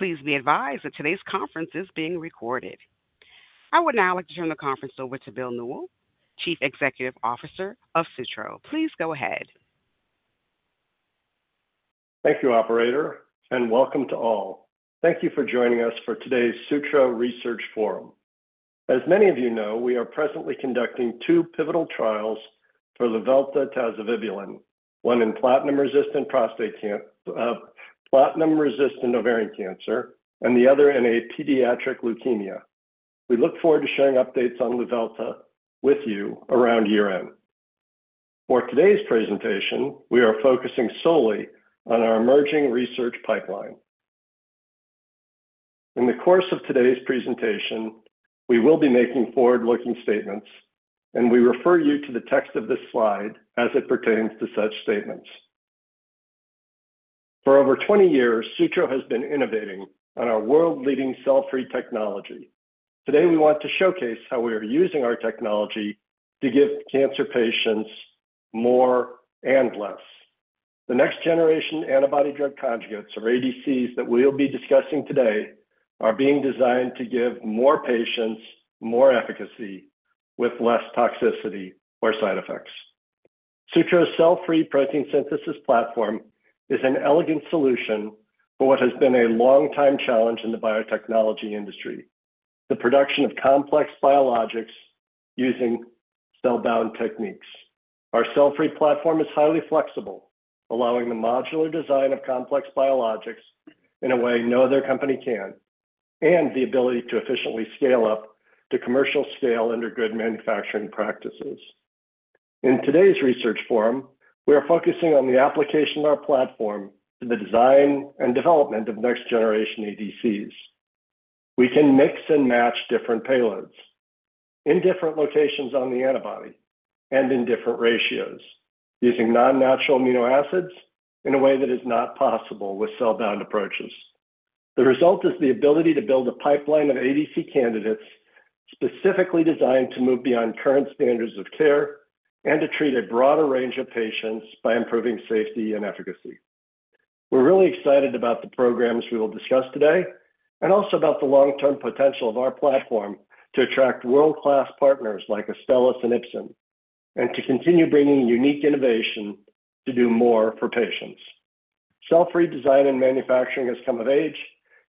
Please be advised that today's conference is being recorded. I would now like to turn the conference over to Bill Newell, Chief Executive Officer of Sutro. Please go ahead. Thank you, operator, and welcome to all. Thank you for joining us for today's Sutro Research Forum. As many of you know, we are presently conducting two pivotal trials for Luvelta tazevibulin, one in platinum-resistant ovarian cancer and the other in a pediatric leukemia. We look forward to sharing updates on Luvelta with you around year-end. For today's presentation, we are focusing solely on our emerging research pipeline. In the course of today's presentation, we will be making forward-looking statements, and we refer you to the text of this slide as it pertains to such statements. For over twenty years, Sutro has been innovating on our world-leading cell-free technology. Today, we want to showcase how we are using our technology to give cancer patients more and less. The next-generation antibody drug conjugates, or ADCs, that we'll be discussing today are being designed to give more patients more efficacy with less toxicity or side effects. Sutro's cell-free protein synthesis platform is an elegant solution for what has been a long time challenge in the biotechnology industry, the production of complex biologics using cell-bound techniques. Our cell-free platform is highly flexible, allowing the modular design of complex biologics in a way no other company can, and the ability to efficiently scale up to commercial scale under good manufacturing practices. In today's research forum, we are focusing on the application of our platform to the design and development of next-generation ADCs. We can mix and match different payloads in different locations on the antibody and in different ratios, using non-natural amino acids in a way that is not possible with cell-bound approaches. The result is the ability to build a pipeline of ADC candidates specifically designed to move beyond current standards of care and to treat a broader range of patients by improving safety and efficacy. We're really excited about the programs we will discuss today, and also about the long-term potential of our platform to attract world-class partners like Astellas and Ipsen, and to continue bringing unique innovation to do more for patients. Cell-free design and manufacturing has come of age,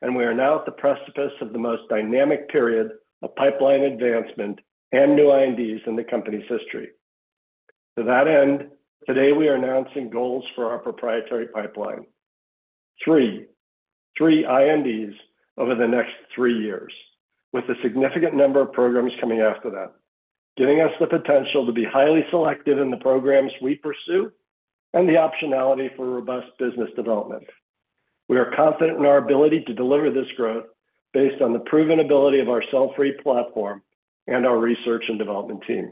and we are now at the precipice of the most dynamic period of pipeline advancement and new INDs in the company's history. To that end, today we are announcing goals for our proprietary pipeline. Three INDs over the next three years, with a significant number of programs coming after that, giving us the potential to be highly selective in the programs we pursue and the optionality for robust business development. We are confident in our ability to deliver this growth based on the proven ability of our cell-free platform and our research and development team.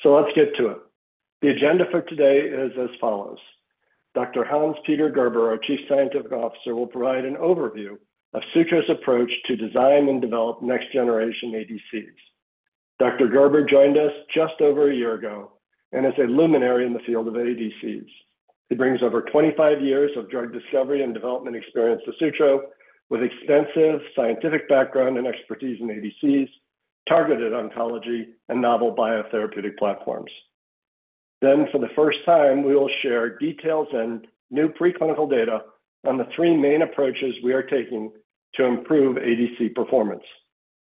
So let's get to it. The agenda for today is as follows: Dr. Hans-Peter Gerber, our Chief Scientific Officer, will provide an overview of Sutro's approach to design and develop next generation ADCs. Dr. Gerber joined us just over a year ago and is a luminary in the field of ADCs. He brings over twenty-five years of drug discovery and development experience to Sutro, with extensive scientific background and expertise in ADCs, targeted oncology, and novel biotherapeutic platforms. Then, for the first time, we will share details and new preclinical data on the three main approaches we are taking to improve ADC performance.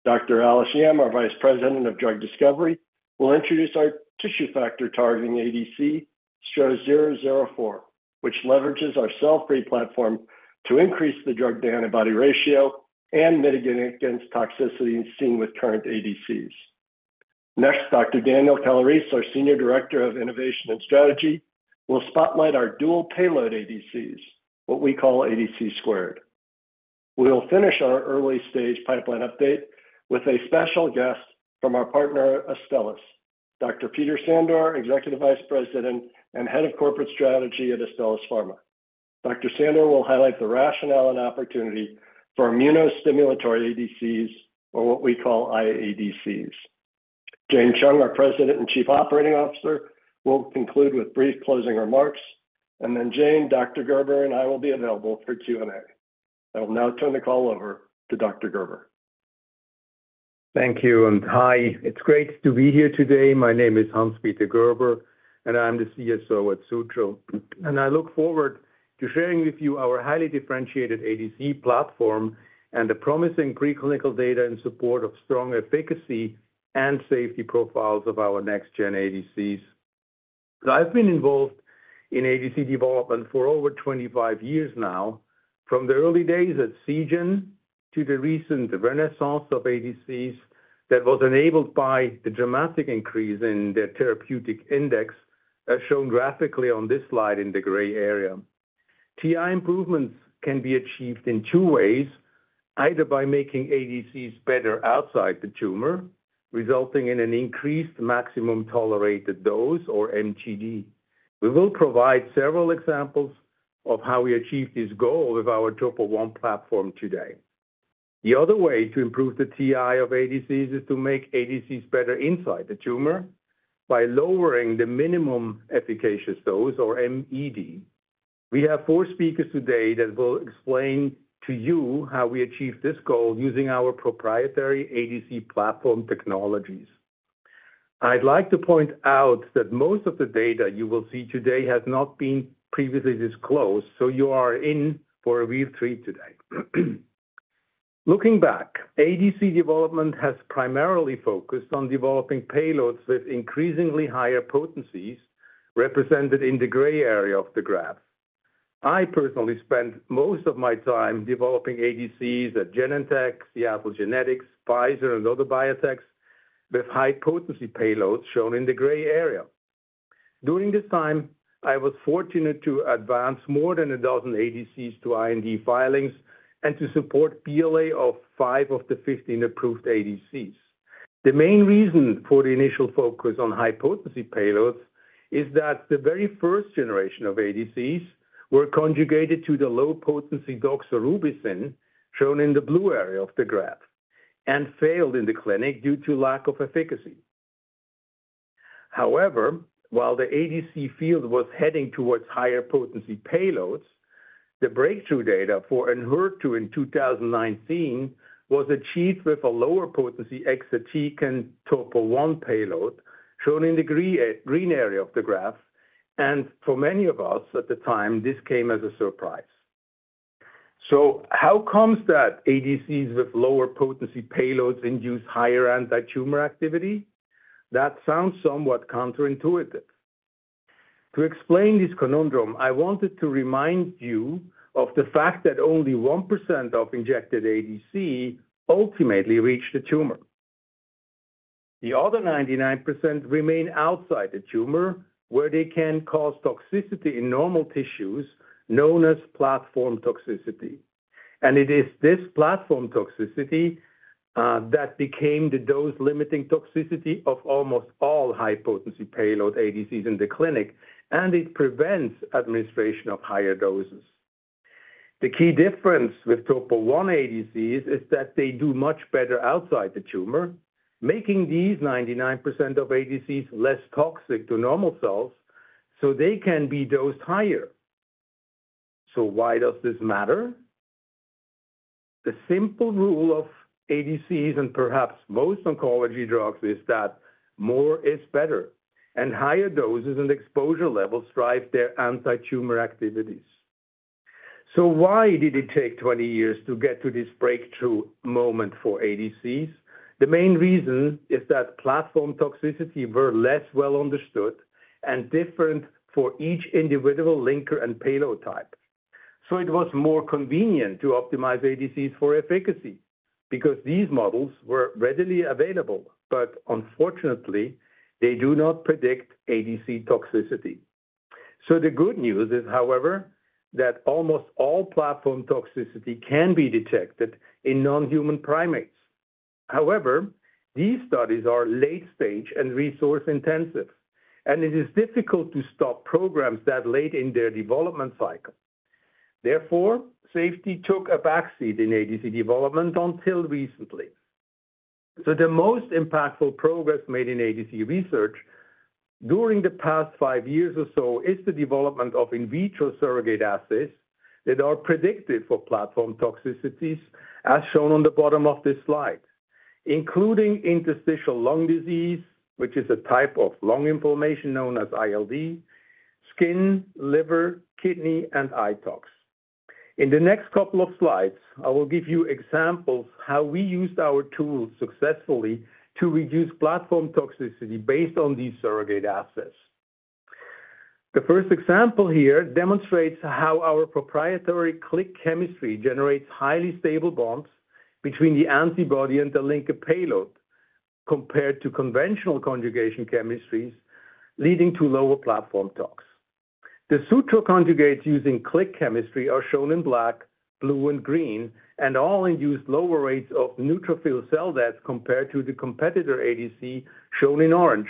Dr. Alice Yam, our Vice President of Drug Discovery, will introduce our tissue factor targeting ADC, STRO-004, which leverages our cell-free platform to increase the drug-to-antibody ratio and mitigate against toxicity seen with current ADCs. Next, Dr. Daniel Calarese, our Senior Director of Innovation and Strategy, will spotlight our dual payload ADCs, what we call ADC squared. We will finish our early-stage pipeline update with a special guest from our partner, Astellas, Dr. Peter Sandor, Executive Vice President and Head of Corporate Strategy at Astellas Pharma. Dr. Sandor will highlight the rationale and opportunity for immunostimulatory ADCs, or what we call IADCs. Jane Chung, our President and Chief Operating Officer, will conclude with brief closing remarks, and then Jane, Dr. Gerber, and I will be available for Q&A. I will now turn the call over to Dr. Gerber. Thank you, and hi. It's great to be here today. My name is Hans-Peter Gerber, and I'm the CSO at Sutro, and I look forward to sharing with you our highly differentiated ADC platform and the promising preclinical data in support of strong efficacy and safety profiles of our next gen ADCs. I've been involved in ADC development for over twenty-five years now, from the early days at Seagen to the recent renaissance of ADCs that was enabled by the dramatic increase in their therapeutic index, as shown graphically on this slide in the gray area. TI improvements can be achieved in two ways, either by making ADCs better outside the tumor, resulting in an increased maximum tolerated dose or MTD. We will provide several examples of how we achieve this goal with our Topo1 platform today. The other way to improve the TI of ADCs is to make ADCs better inside the tumor by lowering the minimum efficacious dose, or MED. We have four speakers today that will explain to you how we achieve this goal using our proprietary ADC platform technologies. I'd like to point out that most of the data you will see today has not been previously disclosed, so you are in for a real treat today. Looking back, ADC development has primarily focused on developing payloads with increasingly higher potencies, represented in the gray area of the graph. I personally spent most of my time developing ADCs at Genentech, Seattle Genetics, Pfizer, and other biotechs, with high-potency payloads shown in the gray area. During this time, I was fortunate to advance more than a dozen ADCs to IND filings and to support BLA of five of the fifteen approved ADCs. The main reason for the initial focus on high-potency payloads is that the very first generation of ADCs were conjugated to the low-potency doxorubicin, shown in the blue area of the graph, and failed in the clinic due to lack of efficacy. However, while the ADC field was heading towards higher-potency payloads, the breakthrough data for Enhertu in two thousand nineteen was achieved with a lower potency exatecan Topo-1 payload, shown in the green area of the graph, and for many of us at the time, this came as a surprise. So how comes that ADCs with lower-potency payloads induce higher antitumor activity? That sounds somewhat counterintuitive. To explain this conundrum, I wanted to remind you of the fact that only 1% of injected ADC ultimately reach the tumor. The other 99% remain outside the tumor, where they can cause toxicity in normal tissues, known as platform toxicity. And it is this platform toxicity that became the dose-limiting toxicity of almost all high-potency payload ADCs in the clinic, and it prevents administration of higher doses. The key difference with Topo-1 ADCs is that they do much better outside the tumor, making these 99% of ADCs less toxic to normal cells, so they can be dosed higher. So why does this matter? The simple rule of ADCs, and perhaps most oncology drugs, is that more is better, and higher doses and exposure levels drive their antitumor activities. So why did it take twenty years to get to this breakthrough moment for ADCs? The main reason is that platform toxicity were less well understood and different for each individual linker and payload type. So it was more convenient to optimize ADCs for efficacy because these models were readily available, but unfortunately, they do not predict ADC toxicity. So the good news is, however, that almost all platform toxicity can be detected in non-human primates. However, these studies are late stage and resource intensive, and it is difficult to stop programs that late in their development cycle. Therefore, safety took a back seat in ADC development until recently. So the most impactful progress made in ADC research during the past five years or so, is the development of in vitro surrogate assays that are predictive for platform toxicities, as shown on the bottom of this slide, including interstitial lung disease, which is a type of lung inflammation known as ILD, skin, liver, kidney, and eye tox. In the next couple of slides, I will give you examples how we used our tools successfully to reduce platform toxicity based on these surrogate assays. The first example here demonstrates how our proprietary click chemistry generates highly stable bonds between the antibody and the linker payload, compared to conventional conjugation chemistries, leading to lower platform tox. The Sutro conjugates using click chemistry are shown in black, blue, and green, and all induce lower rates of neutrophil cell death compared to the competitor ADC, shown in orange,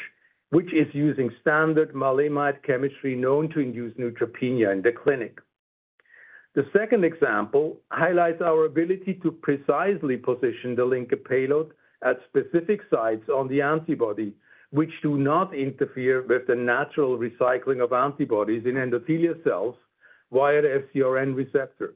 which is using standard maleimide chemistry known to induce neutropenia in the clinic. The second example highlights our ability to precisely position the linker payload at specific sites on the antibody, which do not interfere with the natural recycling of antibodies in endothelial cells via the FcRn receptor.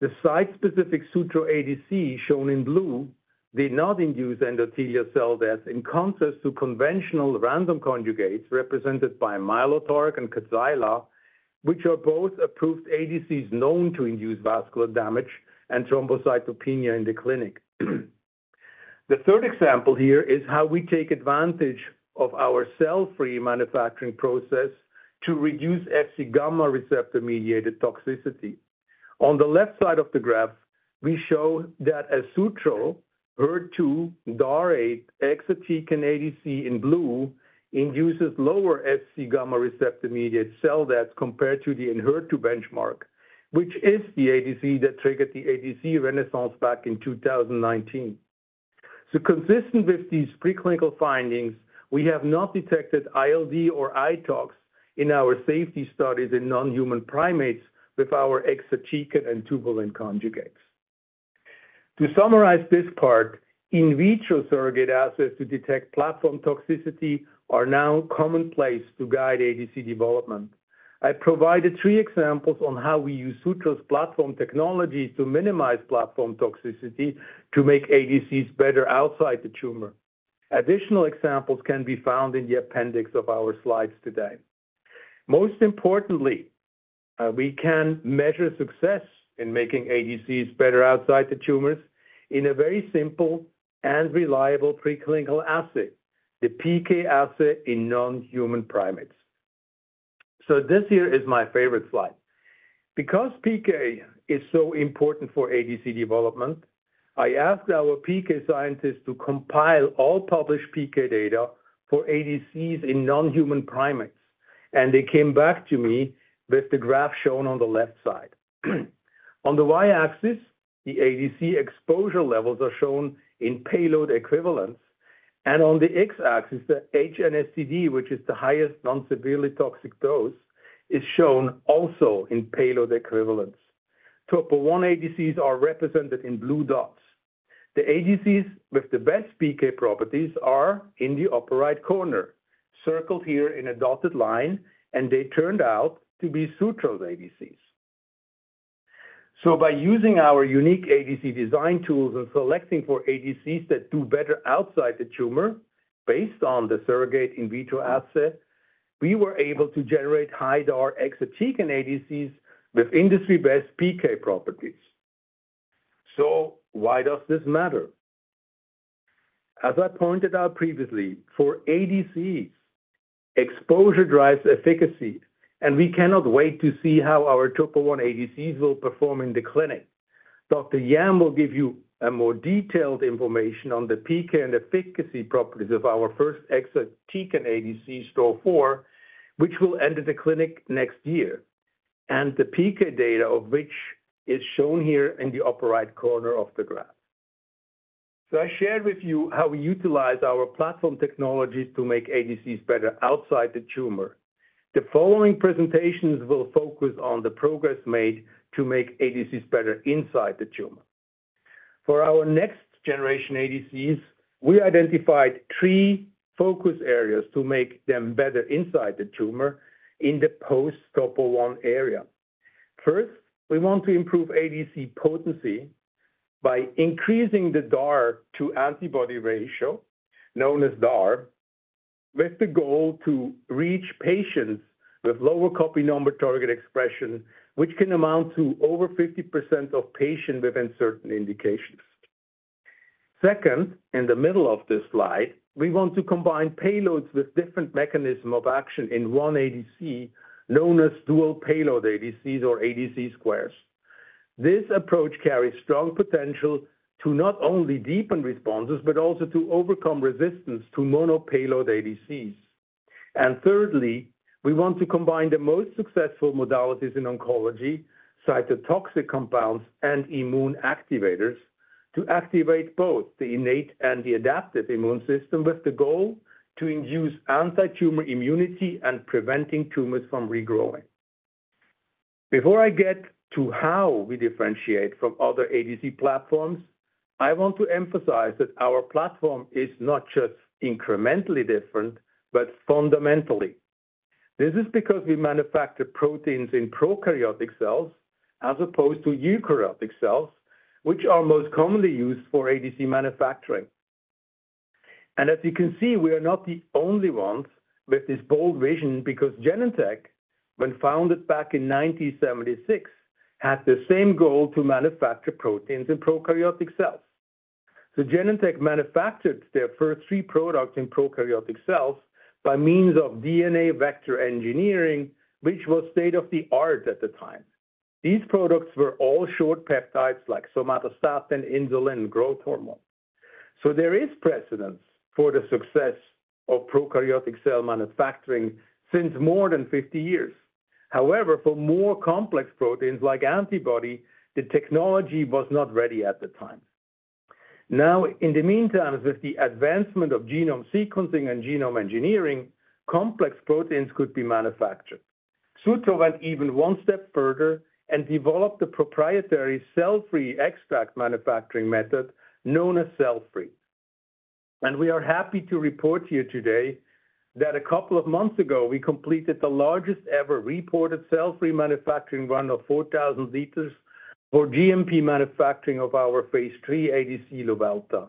The site-specific Sutro ADC, shown in blue, did not induce endothelial cell death, in contrast to conventional random conjugates, represented by Mylotarg and Kadcyla, which are both approved ADCs known to induce vascular damage and thrombocytopenia in the clinic. The third example here is how we take advantage of our cell-free manufacturing process to reduce Fc gamma receptor-mediated toxicity. On the left side of the graph, we show that a Sutro HER2 DAR exatecan ADC in blue induces lower Fc gamma receptor-mediated cell death compared to the Enhertu benchmark, which is the ADC that triggered the ADC renaissance back in 2019. So consistent with these preclinical findings, we have not detected ILD or iTox in our safety studies in non-human primates with our exatecan and tubulin conjugates. To summarize this part, in vitro surrogate assays to detect platform toxicity are now commonplace to guide ADC development. I provided three examples on how we use Sutro's platform technology to minimize platform toxicity to make ADCs better outside the tumor. Additional examples can be found in the appendix of our slides today. Most importantly, we can measure success in making ADCs better outside the tumors in a very simple and reliable preclinical assay, the PK assay in non-human primates. So this here is my favorite slide. Because PK is so important for ADC development, I asked our PK scientists to compile all published PK data for ADCs in non-human primates, and they came back to me with the graph shown on the left side. On the y-axis, the ADC exposure levels are shown in payload equivalents, and on the x-axis, the HNSTD, which is the highest non-severely toxic dose, is shown also in payload equivalents. Topo-1 ADCs are represented in blue dots. The ADCs with the best PK properties are in the upper right corner, circled here in a dotted line, and they turned out to be Sutro's ADCs. So by using our unique ADC design tools and selecting for ADCs that do better outside the tumor, based on the surrogate in vitro assay, we were able to generate high DAR exatecan ADCs with industry-best PK properties. So why does this matter? As I pointed out previously, for ADCs, exposure drives efficacy, and we cannot wait to see how our topo-1 ADCs will perform in the clinic. Dr. Yam will give you a more detailed information on the PK and efficacy properties of our first exatecan ADC, STRO-4, which will enter the clinic next year, and the PK data of which is shown here in the upper right corner of the graph. So I shared with you how we utilize our platform technologies to make ADCs better outside the tumor. The following presentations will focus on the progress made to make ADCs better inside the tumor. For our next generation ADCs, we identified three focus areas to make them better inside the tumor in the post-topo I era. First, we want to improve ADC potency by increasing the drug-to-antibody ratio, known as DAR, with the goal to reach patients with lower copy number target expression, which can amount to over 50% of patients within certain indications. Second, in the middle of this slide, we want to combine payloads with different mechanism of action in one ADC, known as dual payload ADCs or ADC squared. This approach carries strong potential to not only deepen responses, but also to overcome resistance to mono payload ADCs. And thirdly, we want to combine the most successful modalities in oncology, cytotoxic compounds and immune activators, to activate both the innate and the adaptive immune system, with the goal to induce antitumor immunity and preventing tumors from regrowing. Before I get to how we differentiate from other ADC platforms, I want to emphasize that our platform is not just incrementally different, but fundamentally. This is because we manufacture proteins in prokaryotic cells, as opposed to eukaryotic cells, which are most commonly used for ADC manufacturing. And as you can see, we are not the only ones with this bold vision, because Genentech, when founded back in 1976, had the same goal to manufacture proteins in prokaryotic cells. So Genentech manufactured their first three products in prokaryotic cells by means of DNA vector engineering, which was state-of-the-art at the time. These products were all short peptides like somatostatin, insulin, growth hormone. So there is precedence for the success of prokaryotic cell manufacturing since more than 50 years. However, for more complex proteins like antibody, the technology was not ready at the time. Now, in the meantime, with the advancement of genome sequencing and genome engineering, complex proteins could be manufactured. Sutro went even one step further and developed a proprietary cell-free extract manufacturing method known as cell-free. And we are happy to report to you today that a couple of months ago, we completed the largest-ever reported cell-free manufacturing run of 4,000 liters for GMP manufacturing of our phase III ADC, Luvelta.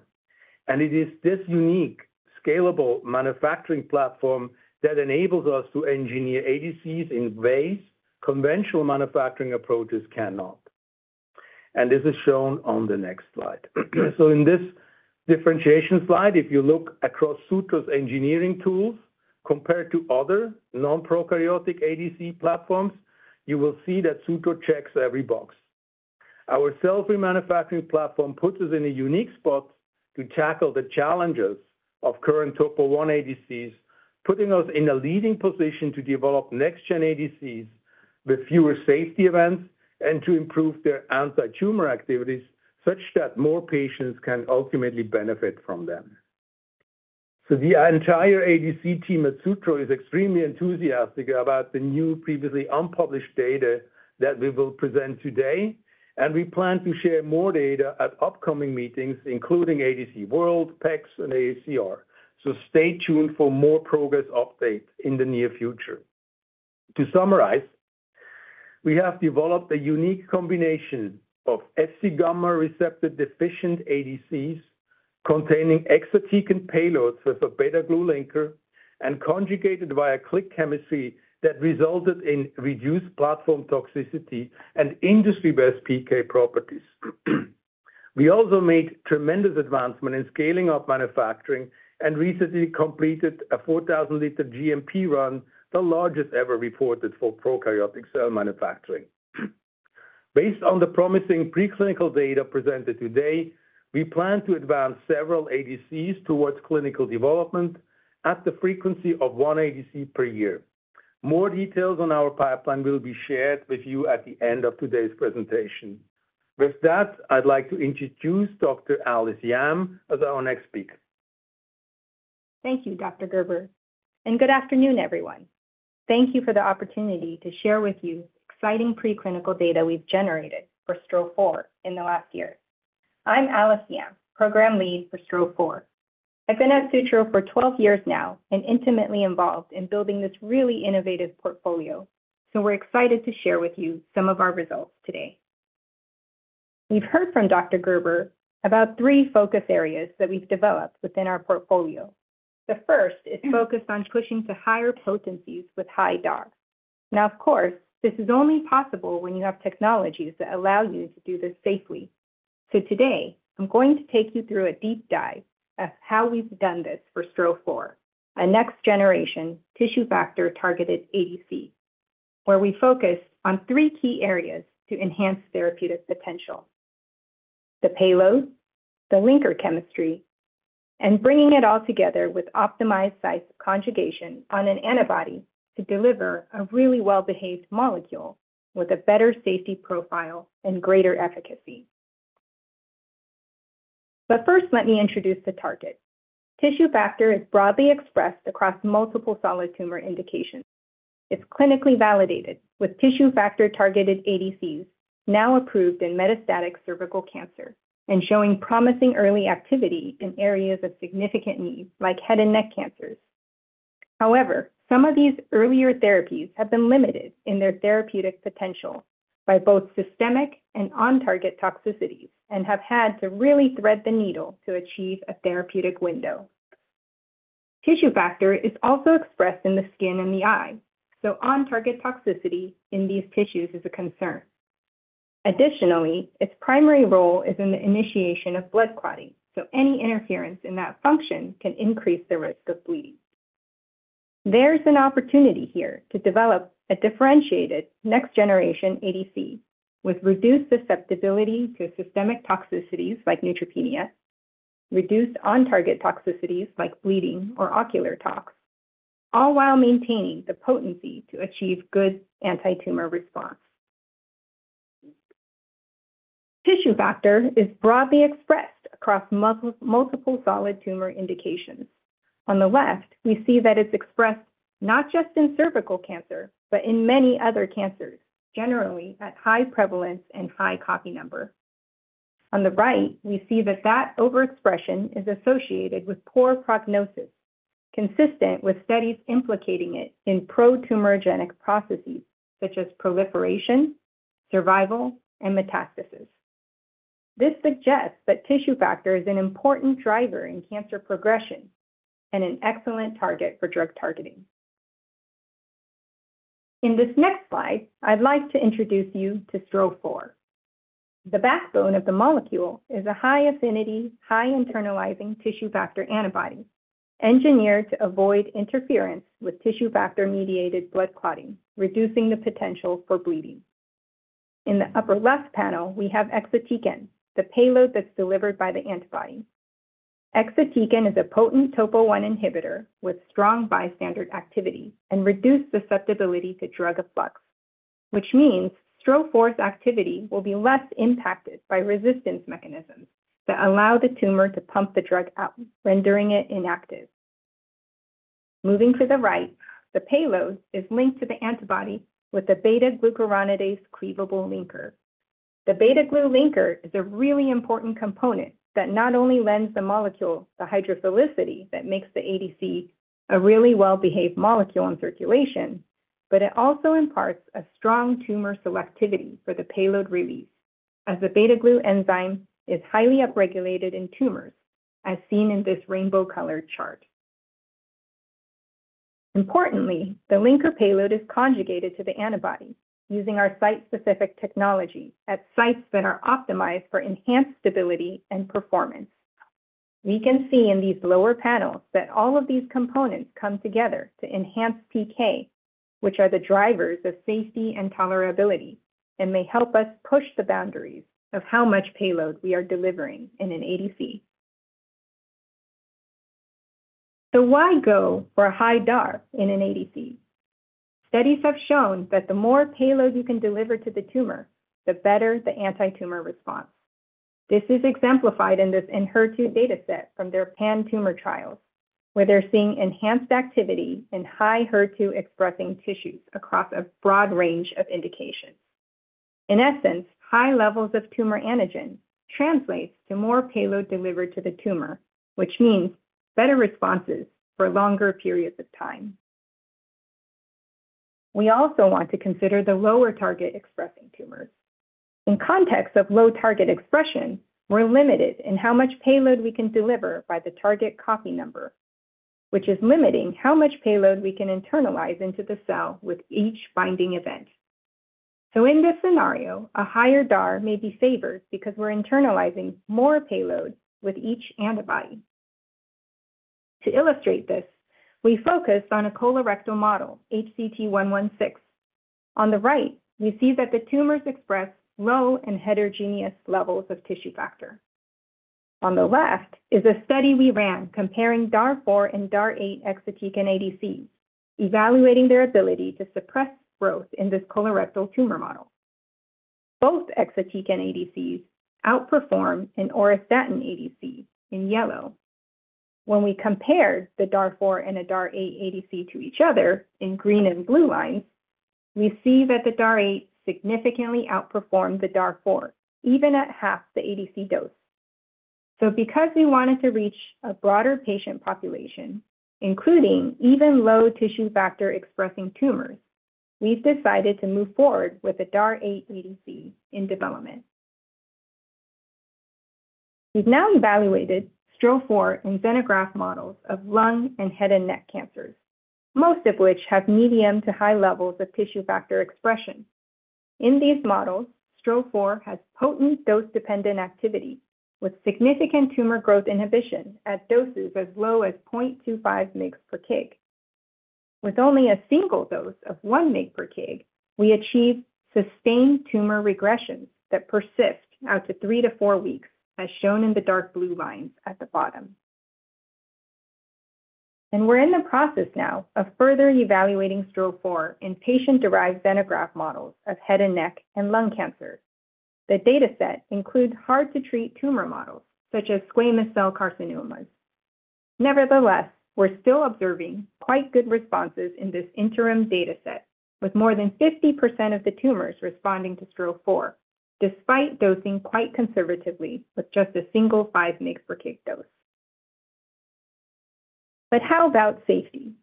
And it is this unique, scalable manufacturing platform that enables us to engineer ADCs in ways conventional manufacturing approaches cannot. And this is shown on the next slide. So in this differentiation slide, if you look across Sutro's engineering tools compared to other non-prokaryotic ADC platforms, you will see that Sutro checks every box. Our cell-free manufacturing platform puts us in a unique spot to tackle the challenges of current topo-1 ADCs, putting us in a leading position to develop next-gen ADCs with fewer safety events and to improve their antitumor activities, such that more patients can ultimately benefit from them. So the entire ADC team at Sutro is extremely enthusiastic about the new, previously unpublished data that we will present today, and we plan to share more data at upcoming meetings, including ADC World, PECs, and AACR. So stay tuned for more progress updates in the near future. To summarize, we have developed a unique combination of Fc gamma receptor deficient ADCs, containing exatecan payloads with a beta-glu linker, and conjugated via click chemistry that resulted in reduced platform toxicity and industry-best PK properties. We also made tremendous advancement in scaling up manufacturing and recently completed a 4,000-liter GMP run, the largest ever reported for prokaryotic cell manufacturing. Based on the promising preclinical data presented today, we plan to advance several ADCs towards clinical development at the frequency of one ADC per year. More details on our pipeline will be shared with you at the end of today's presentation. With that, I'd like to introduce Dr. Alice Yam as our next speaker. Thank you, Dr. Gerber, and good afternoon, everyone. Thank you for the opportunity to share with you exciting preclinical data we've generated for STRO-004 in the last year. I'm Alice Yam, Program Lead for STRO-004. I've been at Sutro for 12 years now and intimately involved in building this really innovative portfolio. We're excited to share with you some of our results today. We've heard from Dr. Gerber about three focus areas that we've developed within our portfolio. The first is focused on pushing to higher potencies with high DARs. Now, of course, this is only possible when you have technologies that allow you to do this safely. Today, I'm going to take you through a deep dive of how we've done this for STRO-004, a next-generation tissue factor-targeted ADC, where we focus on three key areas to enhance therapeutic potential: the payload, the linker chemistry, and bringing it all together with optimized site conjugation on an antibody to deliver a really well-behaved molecule with a better safety profile and greater efficacy. First, let me introduce the target. Tissue factor is broadly expressed across multiple solid tumor indications. It's clinically validated, with tissue factor-targeted ADCs now approved in metastatic cervical cancer and showing promising early activity in areas of significant need, like head and neck cancers. However, some of these earlier therapies have been limited in their therapeutic potential by both systemic and on-target toxicities and have had to really thread the needle to achieve a therapeutic window. Tissue factor is also expressed in the skin and the eye, so on-target toxicity in these tissues is a concern. Additionally, its primary role is in the initiation of blood clotting, so any interference in that function can increase the risk of bleeding. There's an opportunity here to develop a differentiated next-generation ADC with reduced susceptibility to systemic toxicities like neutropenia, reduced on-target toxicities like bleeding or ocular tox, all while maintaining the potency to achieve good antitumor response. Tissue factor is broadly expressed across multiple solid tumor indications. On the left, we see that it's expressed not just in cervical cancer, but in many other cancers, generally at high prevalence and high copy number. On the right, we see that overexpression is associated with poor prognosis, consistent with studies implicating it in protumorigenic processes such as proliferation, survival, and metastasis. This suggests that tissue factor is an important driver in cancer progression and an excellent target for drug targeting. In this next slide, I'd like to introduce you to STRO-004. The backbone of the molecule is a high-affinity, high-internalizing tissue factor antibody engineered to avoid interference with tissue factor-mediated blood clotting, reducing the potential for bleeding. In the upper left panel, we have exatecan, the payload that's delivered by the antibody. Exatecan is a potent Topo one inhibitor with strong bystander activity and reduced susceptibility to drug efflux, which means STRO-004's activity will be less impacted by resistance mechanisms that allow the tumor to pump the drug out, rendering it inactive. Moving to the right, the payload is linked to the antibody with a beta-glucuronidase cleavable linker. The beta-glu linker is a really important component that not only lends the molecule the hydrophilicity that makes the ADC a really well-behaved molecule in circulation, but it also imparts a strong tumor selectivity for the payload release, as the beta-glu enzyme is highly upregulated in tumors, as seen in this rainbow-colored chart. Importantly, the linker payload is conjugated to the antibody using our site-specific technology at sites that are optimized for enhanced stability and performance. We can see in these lower panels that all of these components come together to enhance PK, which are the drivers of safety and tolerability and may help us push the boundaries of how much payload we are delivering in an ADC. So why go for a high DAR in an ADC? Studies have shown that the more payload you can deliver to the tumor, the better the anti-tumor response. This is exemplified in this Enhertu dataset from their pan-tumor trials, where they're seeing enhanced activity in high HER2-expressing tissues across a broad range of indications. In essence, high levels of tumor antigen translates to more payload delivered to the tumor, which means better responses for longer periods of time. We also want to consider the lower target-expressing tumors. In context of low target expression, we're limited in how much payload we can deliver by the target copy number, which is limiting how much payload we can internalize into the cell with each binding event. So in this scenario, a higher DAR may be favored because we're internalizing more payload with each antibody. To illustrate this, we focused on a colorectal model, HCT116. On the right, we see that the tumors express low and heterogeneous levels of tissue factor. On the left is a study we ran comparing DAR4 and DAR8 exatecan ADCs, evaluating their ability to suppress growth in this colorectal tumor model. Both exatecan ADCs outperformed an auristatin ADC in yellow. When we compared the DAR4 and a DAR8 ADC to each other in green and blue lines, we see that the DAR8 significantly outperformed the DAR4, even at half the ADC dose. So because we wanted to reach a broader patient population, including even low tissue factor-expressing tumors, we've decided to move forward with the DAR8 ADC in development. We've now evaluated STRO-004 in xenograft models of lung and head and neck cancers, most of which have medium to high levels of tissue factor expression. In these models, STRO-004 has potent dose-dependent activity, with significant tumor growth inhibition at doses as low as 0.25 mg per kg. With only a single dose of one mg per kg, we achieve sustained tumor regressions that persist out to three to four weeks, as shown in the dark blue lines at the bottom. We're in the process now of further evaluating STRO-4 in patient-derived xenograft models of head and neck and lung cancer. The dataset includes hard-to-treat tumor models, such as squamous cell carcinomas. Nevertheless, we're still observing quite good responses in this interim dataset, with more than 50% of the tumors responding to STRO-4, despite dosing quite conservatively with just a single five mg per kg dose. How about safety?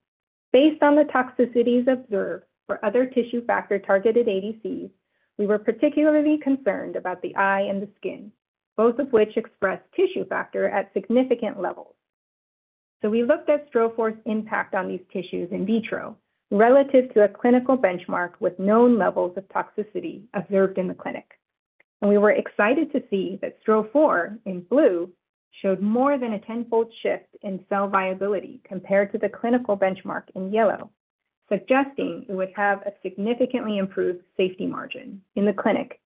Based on the toxicities observed for other tissue factor-targeted ADCs, we were particularly concerned about the eye and the skin, both of which express tissue factor at significant levels. We looked at STRO-004's impact on these tissues in vitro relative to a clinical benchmark with known levels of toxicity observed in the clinic. We were excited to see that STRO-004, in blue, showed more than a tenfold shift in cell viability compared to the clinical benchmark in yellow, suggesting it would have a significantly improved safety margin in the clinic.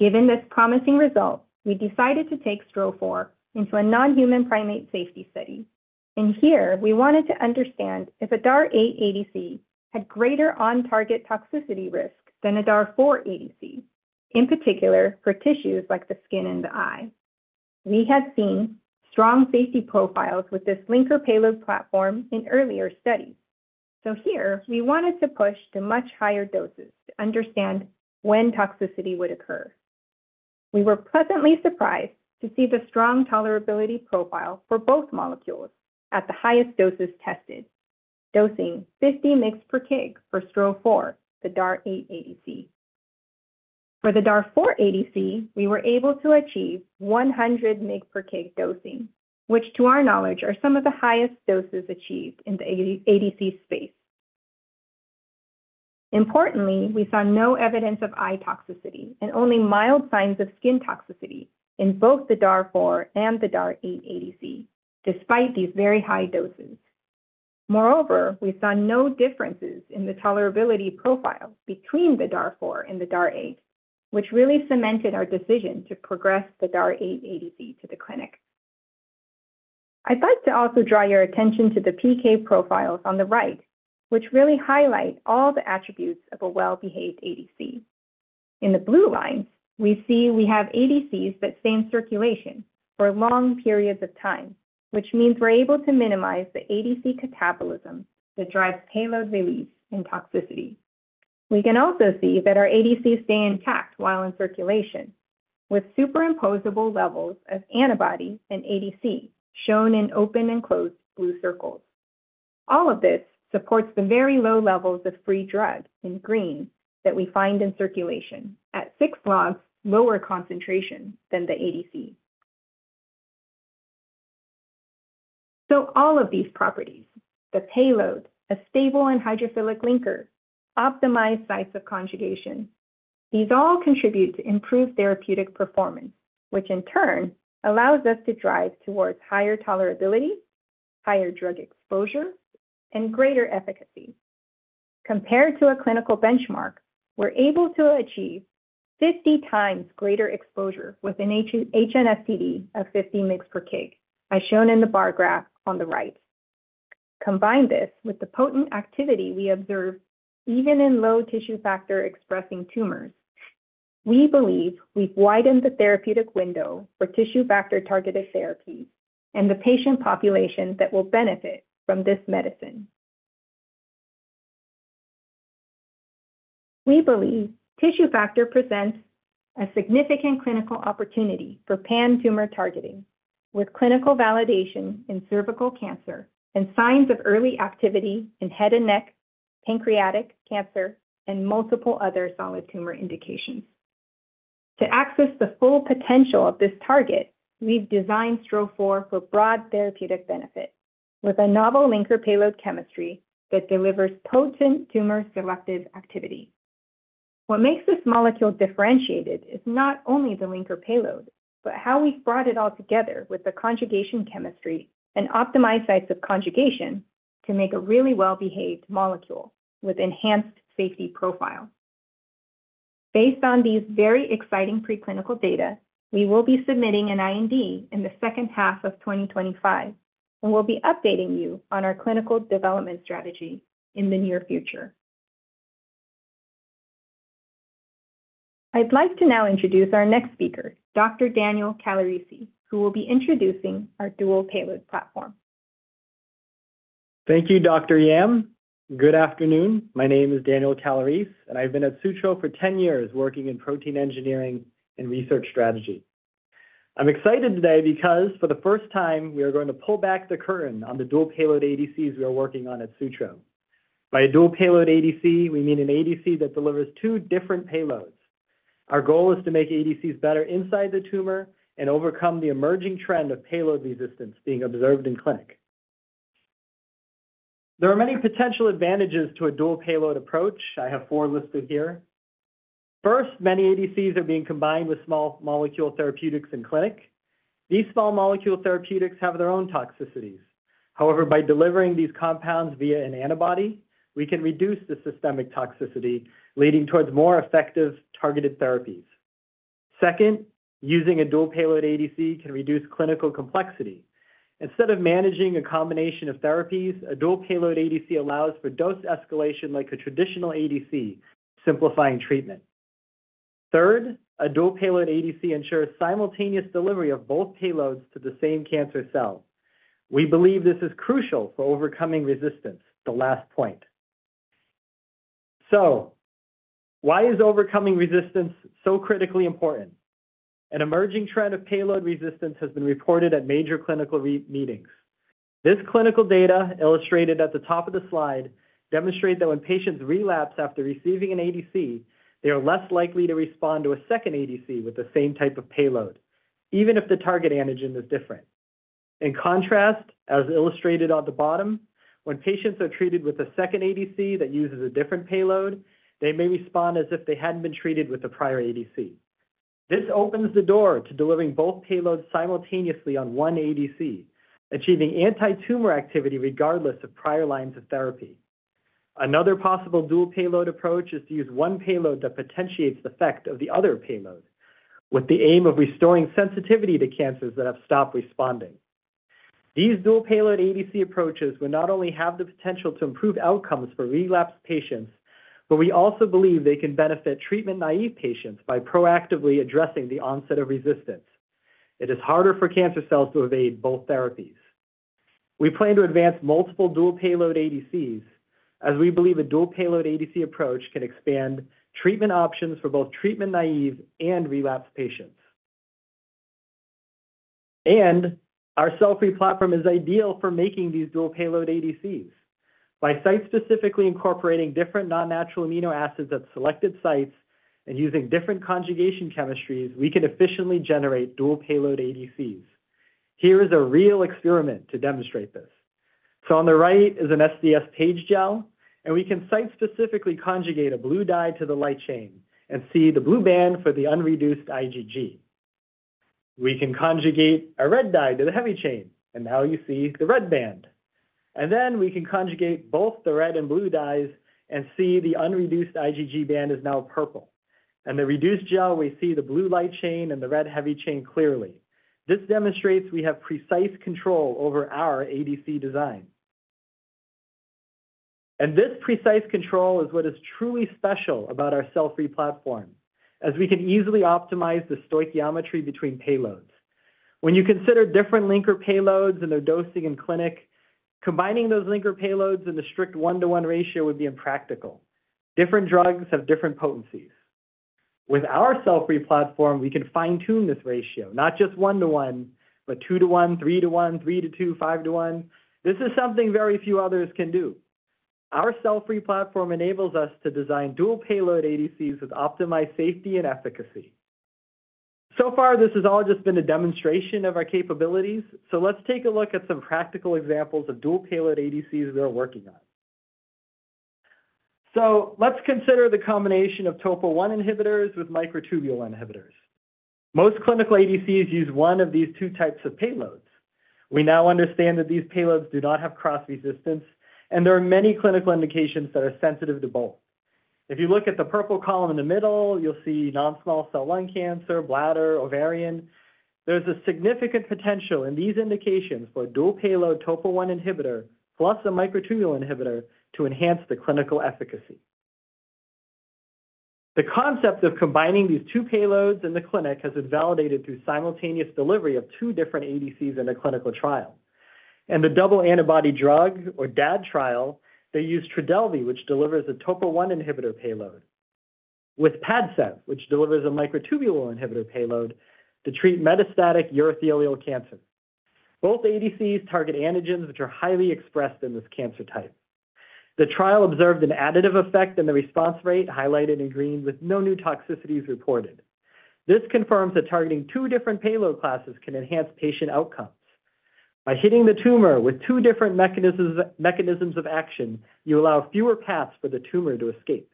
Given this promising result, we decided to take STRO-004 into a non-human primate safety study. Here, we wanted to understand if a DAR-8 ADC had greater on-target toxicity risk than a DAR-4 ADC, in particular, for tissues like the skin and the eye. We had seen strong safety profiles with this linker payload platform in earlier studies. Here, we wanted to push to much higher doses to understand when toxicity would occur. We were pleasantly surprised to see the strong tolerability profile for both molecules at the highest doses tested, dosing 50 mg per kg for STRO-4, the DAR-8 ADC. For the DAR-4 ADC, we were able to achieve 100 mg per kg dosing, which to our knowledge, are some of the highest doses achieved in the ADC space. Importantly, we saw no evidence of eye toxicity and only mild signs of skin toxicity in both the DAR-4 and the DAR-8 ADC, despite these very high doses. Moreover, we saw no differences in the tolerability profile between the DAR-4 and the DAR-8, which really cemented our decision to progress the DAR-8 ADC to the clinic. I'd like to also draw your attention to the PK profiles on the right, which really highlight all the attributes of a well-behaved ADC. In the blue line, we see we have ADCs that stay in circulation for long periods of time, which means we're able to minimize the ADC catabolism that drives payload release and toxicity. We can also see that our ADCs stay intact while in circulation, with superimposable levels of antibody and ADC, shown in open and closed blue circles. All of this supports the very low levels of free drug, in green, that we find in circulation at six logs lower concentration than the ADC. So all of these properties, the payload, a stable and hydrophilic linker, optimized sites of conjugation, these all contribute to improved therapeutic performance, which in turn allows us to drive towards higher tolerability, higher drug exposure, and greater efficacy. Compared to a clinical benchmark, we're able to achieve 50 times greater exposure with an HNSTD of 50 mg per kg, as shown in the bar graph on the right. Combine this with the potent activity we observed even in low tissue factor expressing tumors. We believe we've widened the therapeutic window for tissue factor-targeted therapies and the patient population that will benefit from this medicine. We believe tissue factor presents a significant clinical opportunity for pan-tumor targeting, with clinical validation in cervical cancer and signs of early activity in head and neck, pancreatic cancer, and multiple other solid tumor indications. To access the full potential of this target, we've designed STRO-004 for broad therapeutic benefit, with a novel linker payload chemistry that delivers potent tumor-selective activity. What makes this molecule differentiated is not only the linker payload, but how we've brought it all together with the conjugation chemistry and optimized sites of conjugation to make a really well-behaved molecule with enhanced safety profile. Based on these very exciting preclinical data, we will be submitting an IND in the second half of twenty twenty-five, and we'll be updating you on our clinical development strategy in the near future. I'd like to now introduce our next speaker, Dr. Daniel Calarese, who will be introducing our dual payload platform. Thank you, Dr. Yam. Good afternoon. My name is Daniel Calarese, and I've been at Sutro for ten years, working in protein engineering and research strategy. I'm excited today because, for the first time, we are going to pull back the curtain on the dual payload ADCs we are working on at Sutro. By a dual payload ADC, we mean an ADC that delivers two different payloads. Our goal is to make ADCs better inside the tumor and overcome the emerging trend of payload resistance being observed in clinic. There are many potential advantages to a dual payload approach. I have four listed here. First, many ADCs are being combined with small molecule therapeutics in clinic. These small molecule therapeutics have their own toxicities. However, by delivering these compounds via an antibody, we can reduce the systemic toxicity, leading towards more effective targeted therapies. Second, using a dual payload ADC can reduce clinical complexity. Instead of managing a combination of therapies, a dual payload ADC allows for dose escalation like a traditional ADC, simplifying treatment. Third, a dual payload ADC ensures simultaneous delivery of both payloads to the same cancer cell. We believe this is crucial for overcoming resistance, the last point. So why is overcoming resistance so critically important? An emerging trend of payload resistance has been reported at major clinical meetings. This clinical data, illustrated at the top of the slide, demonstrate that when patients relapse after receiving an ADC, they are less likely to respond to a second ADC with the same type of payload, even if the target antigen is different. In contrast, as illustrated on the bottom, when patients are treated with a second ADC that uses a different payload, they may respond as if they hadn't been treated with a prior ADC. This opens the door to delivering both payloads simultaneously on one ADC, achieving anti-tumor activity regardless of prior lines of therapy. Another possible dual payload approach is to use one payload that potentiates the effect of the other payload, with the aim of restoring sensitivity to cancers that have stopped responding. These dual payload ADC approaches will not only have the potential to improve outcomes for relapsed patients, but we also believe they can benefit treatment-naive patients by proactively addressing the onset of resistance. It is harder for cancer cells to evade both therapies. We plan to advance multiple dual payload ADCs, as we believe a dual payload ADC approach can expand treatment options for both treatment-naive and relapsed patients, and our cell-free platform is ideal for making these dual payload ADCs. By site-specifically incorporating different non-natural amino acids at selected sites and using different conjugation chemistries, we can efficiently generate dual payload ADCs. Here is a real experiment to demonstrate this, so on the right is an SDS-PAGE gel, and we can site-specifically conjugate a blue dye to the light chain and see the blue band for the unreduced IgG. We can conjugate a red dye to the heavy chain, and now you see the red band, and then we can conjugate both the red and blue dyes and see the unreduced IgG band is now purple. In the reduced gel, we see the blue light chain and the red heavy chain clearly. This demonstrates we have precise control over our ADC design and this precise control is what is truly special about our cell-free platform, as we can easily optimize the stoichiometry between payloads. When you consider different linker payloads and their dosing in clinic, combining those linker payloads in a strict one-to-one ratio would be impractical. Different drugs have different potencies. With our cell-free platform, we can fine-tune this ratio, not just one to one, but two to one, three to one, three to two, five to one. This is something very few others can do. Our cell-free platform enables us to design dual payload ADCs with optimized safety and efficacy so far, this has all just been a demonstration of our capabilities. Let's take a look at some practical examples of dual payload ADCs we are working on. Let's consider the combination of TOPO1 inhibitors with microtubule inhibitors.... Most clinical ADCs use one of these two types of payloads. We now understand that these payloads do not have cross-resistance, and there are many clinical indications that are sensitive to both. If you look at the purple column in the middle, you'll see non-small cell lung cancer, bladder, ovarian. There's a significant potential in these indications for a dual payload topo one inhibitor, plus a microtubule inhibitor to enhance the clinical efficacy. The concept of combining these two payloads in the clinic has been validated through simultaneous delivery of two different ADCs in a clinical trial. In the double antibody drug or DAD trial, they use Trodelvy, which delivers a topo one inhibitor payload, with Padcev, which delivers a microtubule inhibitor payload to treat metastatic urothelial cancer. Both ADCs target antigens which are highly expressed in this cancer type. The trial observed an additive effect in the response rate, highlighted in green, with no new toxicities reported. This confirms that targeting two different payload classes can enhance patient outcomes. By hitting the tumor with two different mechanisms, mechanisms of action, you allow fewer paths for the tumor to escape.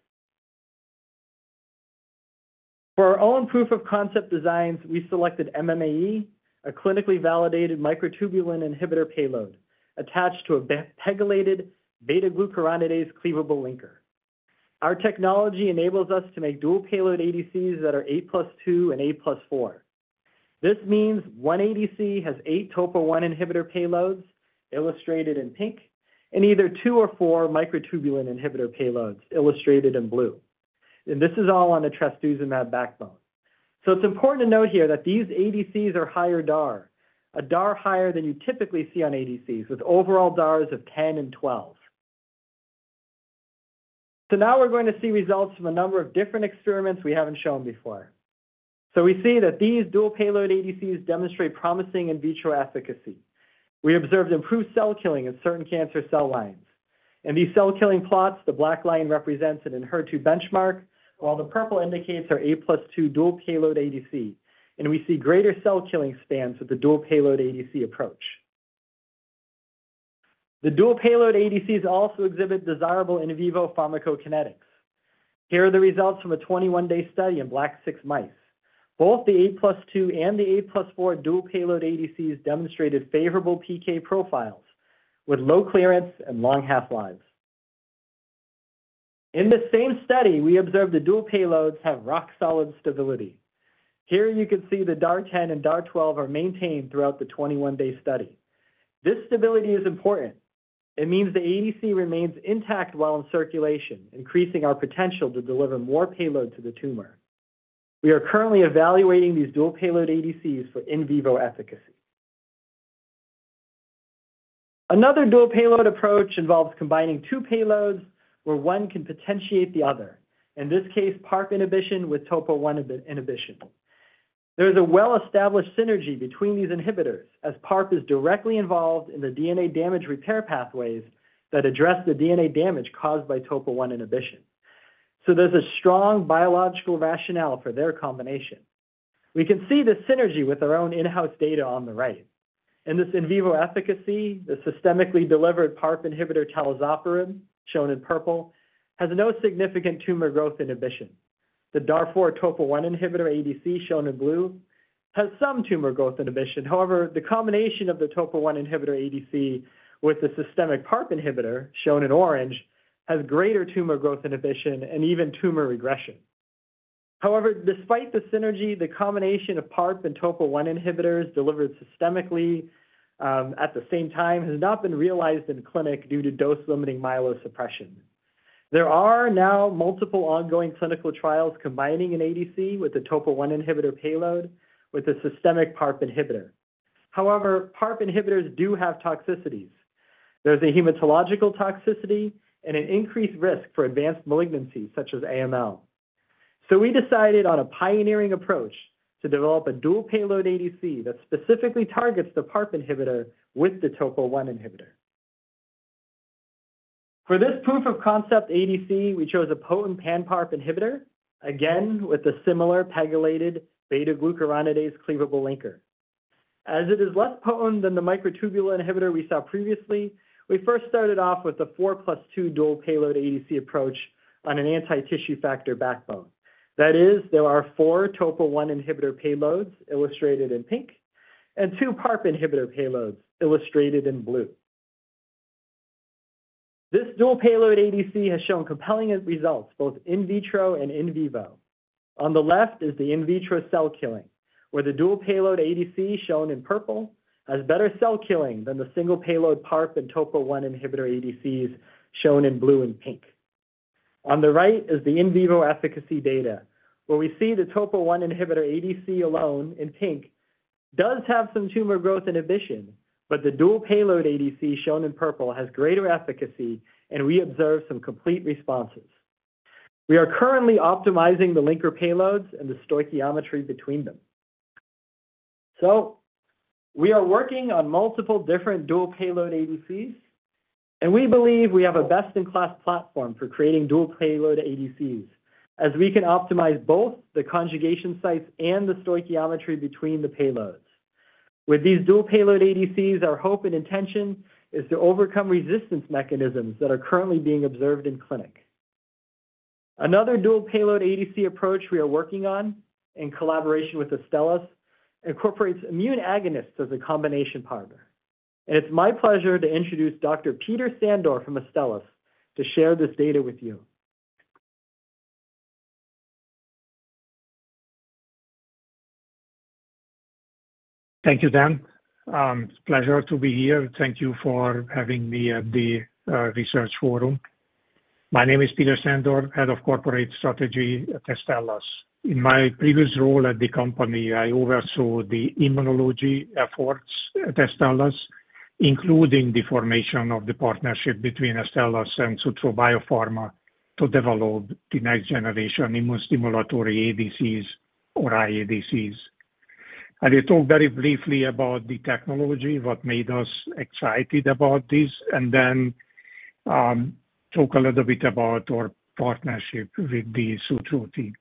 For our own proof of concept designs, we selected MMAE, a clinically validated microtubule inhibitor payload, attached to a PEGylated beta-glucuronidase cleavable linker. Our technology enables us to make dual payload ADCs that are eight plus two and eight plus four. This means one ADC has eight topo one inhibitor payloads, illustrated in pink, and either two or four microtubule inhibitor payloads, illustrated in blue, and this is all on the trastuzumab backbone. It's important to note here that these ADCs are higher DAR, a DAR higher than you typically see on ADCs, with overall DARs of 10 and 12. Now we're going to see results from a number of different experiments we haven't shown before. We see that these dual payload ADCs demonstrate promising in vitro efficacy. We observed improved cell killing in certain cancer cell lines. In these cell killing plots, the black line represents a HER2 benchmark, while the purple indicates our eight plus two dual payload ADC, and we see greater cell killing than with the dual payload ADC approach. The dual payload ADCs also exhibit desirable in vivo pharmacokinetics. Here are the results from a twenty-one-day study in C57BL/6 mice. Both the eight plus two and the eight plus four dual payload ADCs demonstrated favorable PK profiles with low clearance and long half-lives. In the same study, we observed the dual payloads have rock-solid stability. Here you can see the DAR 10 and DAR 12 are maintained throughout the twenty-one-day study. This stability is important. It means the ADC remains intact while in circulation, increasing our potential to deliver more payload to the tumor. We are currently evaluating these dual payload ADCs for in vivo efficacy. Another dual payload approach involves combining two payloads where one can potentiate the other, in this case, PARP inhibition with topo one inhibition. There is a well-established synergy between these inhibitors, as PARP is directly involved in the DNA damage repair pathways that address the DNA damage caused by topo one inhibition. So there's a strong biological rationale for their combination. We can see this synergy with our own in-house data on the right. In this in vivo efficacy, the systemically delivered PARP inhibitor talazoparib, shown in purple, has no significant tumor growth inhibition. The DAR four topo one inhibitor ADC, shown in blue, has some tumor growth inhibition. However, the combination of the topo one inhibitor ADC with the systemic PARP inhibitor, shown in orange, has greater tumor growth inhibition and even tumor regression. However, despite the synergy, the combination of PARP and topo one inhibitors delivered systemically at the same time has not been realized in clinic due to dose-limiting myelosuppression. There are now multiple ongoing clinical trials combining an ADC with a topo one inhibitor payload with a systemic PARP inhibitor. However, PARP inhibitors do have toxicities. There's a hematological toxicity and an increased risk for advanced malignancy, such as AML. So we decided on a pioneering approach to develop a dual payload ADC that specifically targets the PARP inhibitor with the topo one inhibitor. For this proof of concept ADC, we chose a potent pan-PARP inhibitor, again, with a similar PEGylated beta-glucuronidase cleavable linker. As it is less potent than the microtubule inhibitor we saw previously, we first started off with a four plus two dual payload ADC approach on an anti-tissue factor backbone. That is, there are four topo one inhibitor payloads, illustrated in pink, and two PARP inhibitor payloads, illustrated in blue. This dual payload ADC has shown compelling end results, both in vitro and in vivo. On the left is the in vitro cell killing, where the dual payload ADC, shown in purple, has better cell killing than the single payload PARP and topo one inhibitor ADCs, shown in blue and pink. On the right is the in vivo efficacy data, where we see the topo one inhibitor ADC alone, in pink, does have some tumor growth inhibition, but the dual payload ADC, shown in purple, has greater efficacy, and we observe some complete responses. We are currently optimizing the linker payloads and the stoichiometry between them. So we are working on multiple different dual payload ADCs, and we believe we have a best-in-class platform for creating dual payload ADCs, as we can optimize both the conjugation sites and the stoichiometry between the payloads. With these dual payload ADCs, our hope and intention is to overcome resistance mechanisms that are currently being observed in clinic... Another dual payload ADC approach we are working on, in collaboration with Astellas, incorporates immune agonists as a combination partner, and it's my pleasure to introduce Dr. Peter Sandor from Astellas to share this data with you. Thank you, Dan. It's a pleasure to be here. Thank you for having me at the research forum. My name is Peter Sandor, Head of Corporate Strategy at Astellas. In my previous role at the company, I oversaw the immunology efforts at Astellas, including the formation of the partnership between Astellas and Sutro Biopharma to develop the next generation immunostimulatory ADCs or iADCs. I will talk very briefly about the technology, what made us excited about this, and then talk a little bit about our partnership with the Sutro team.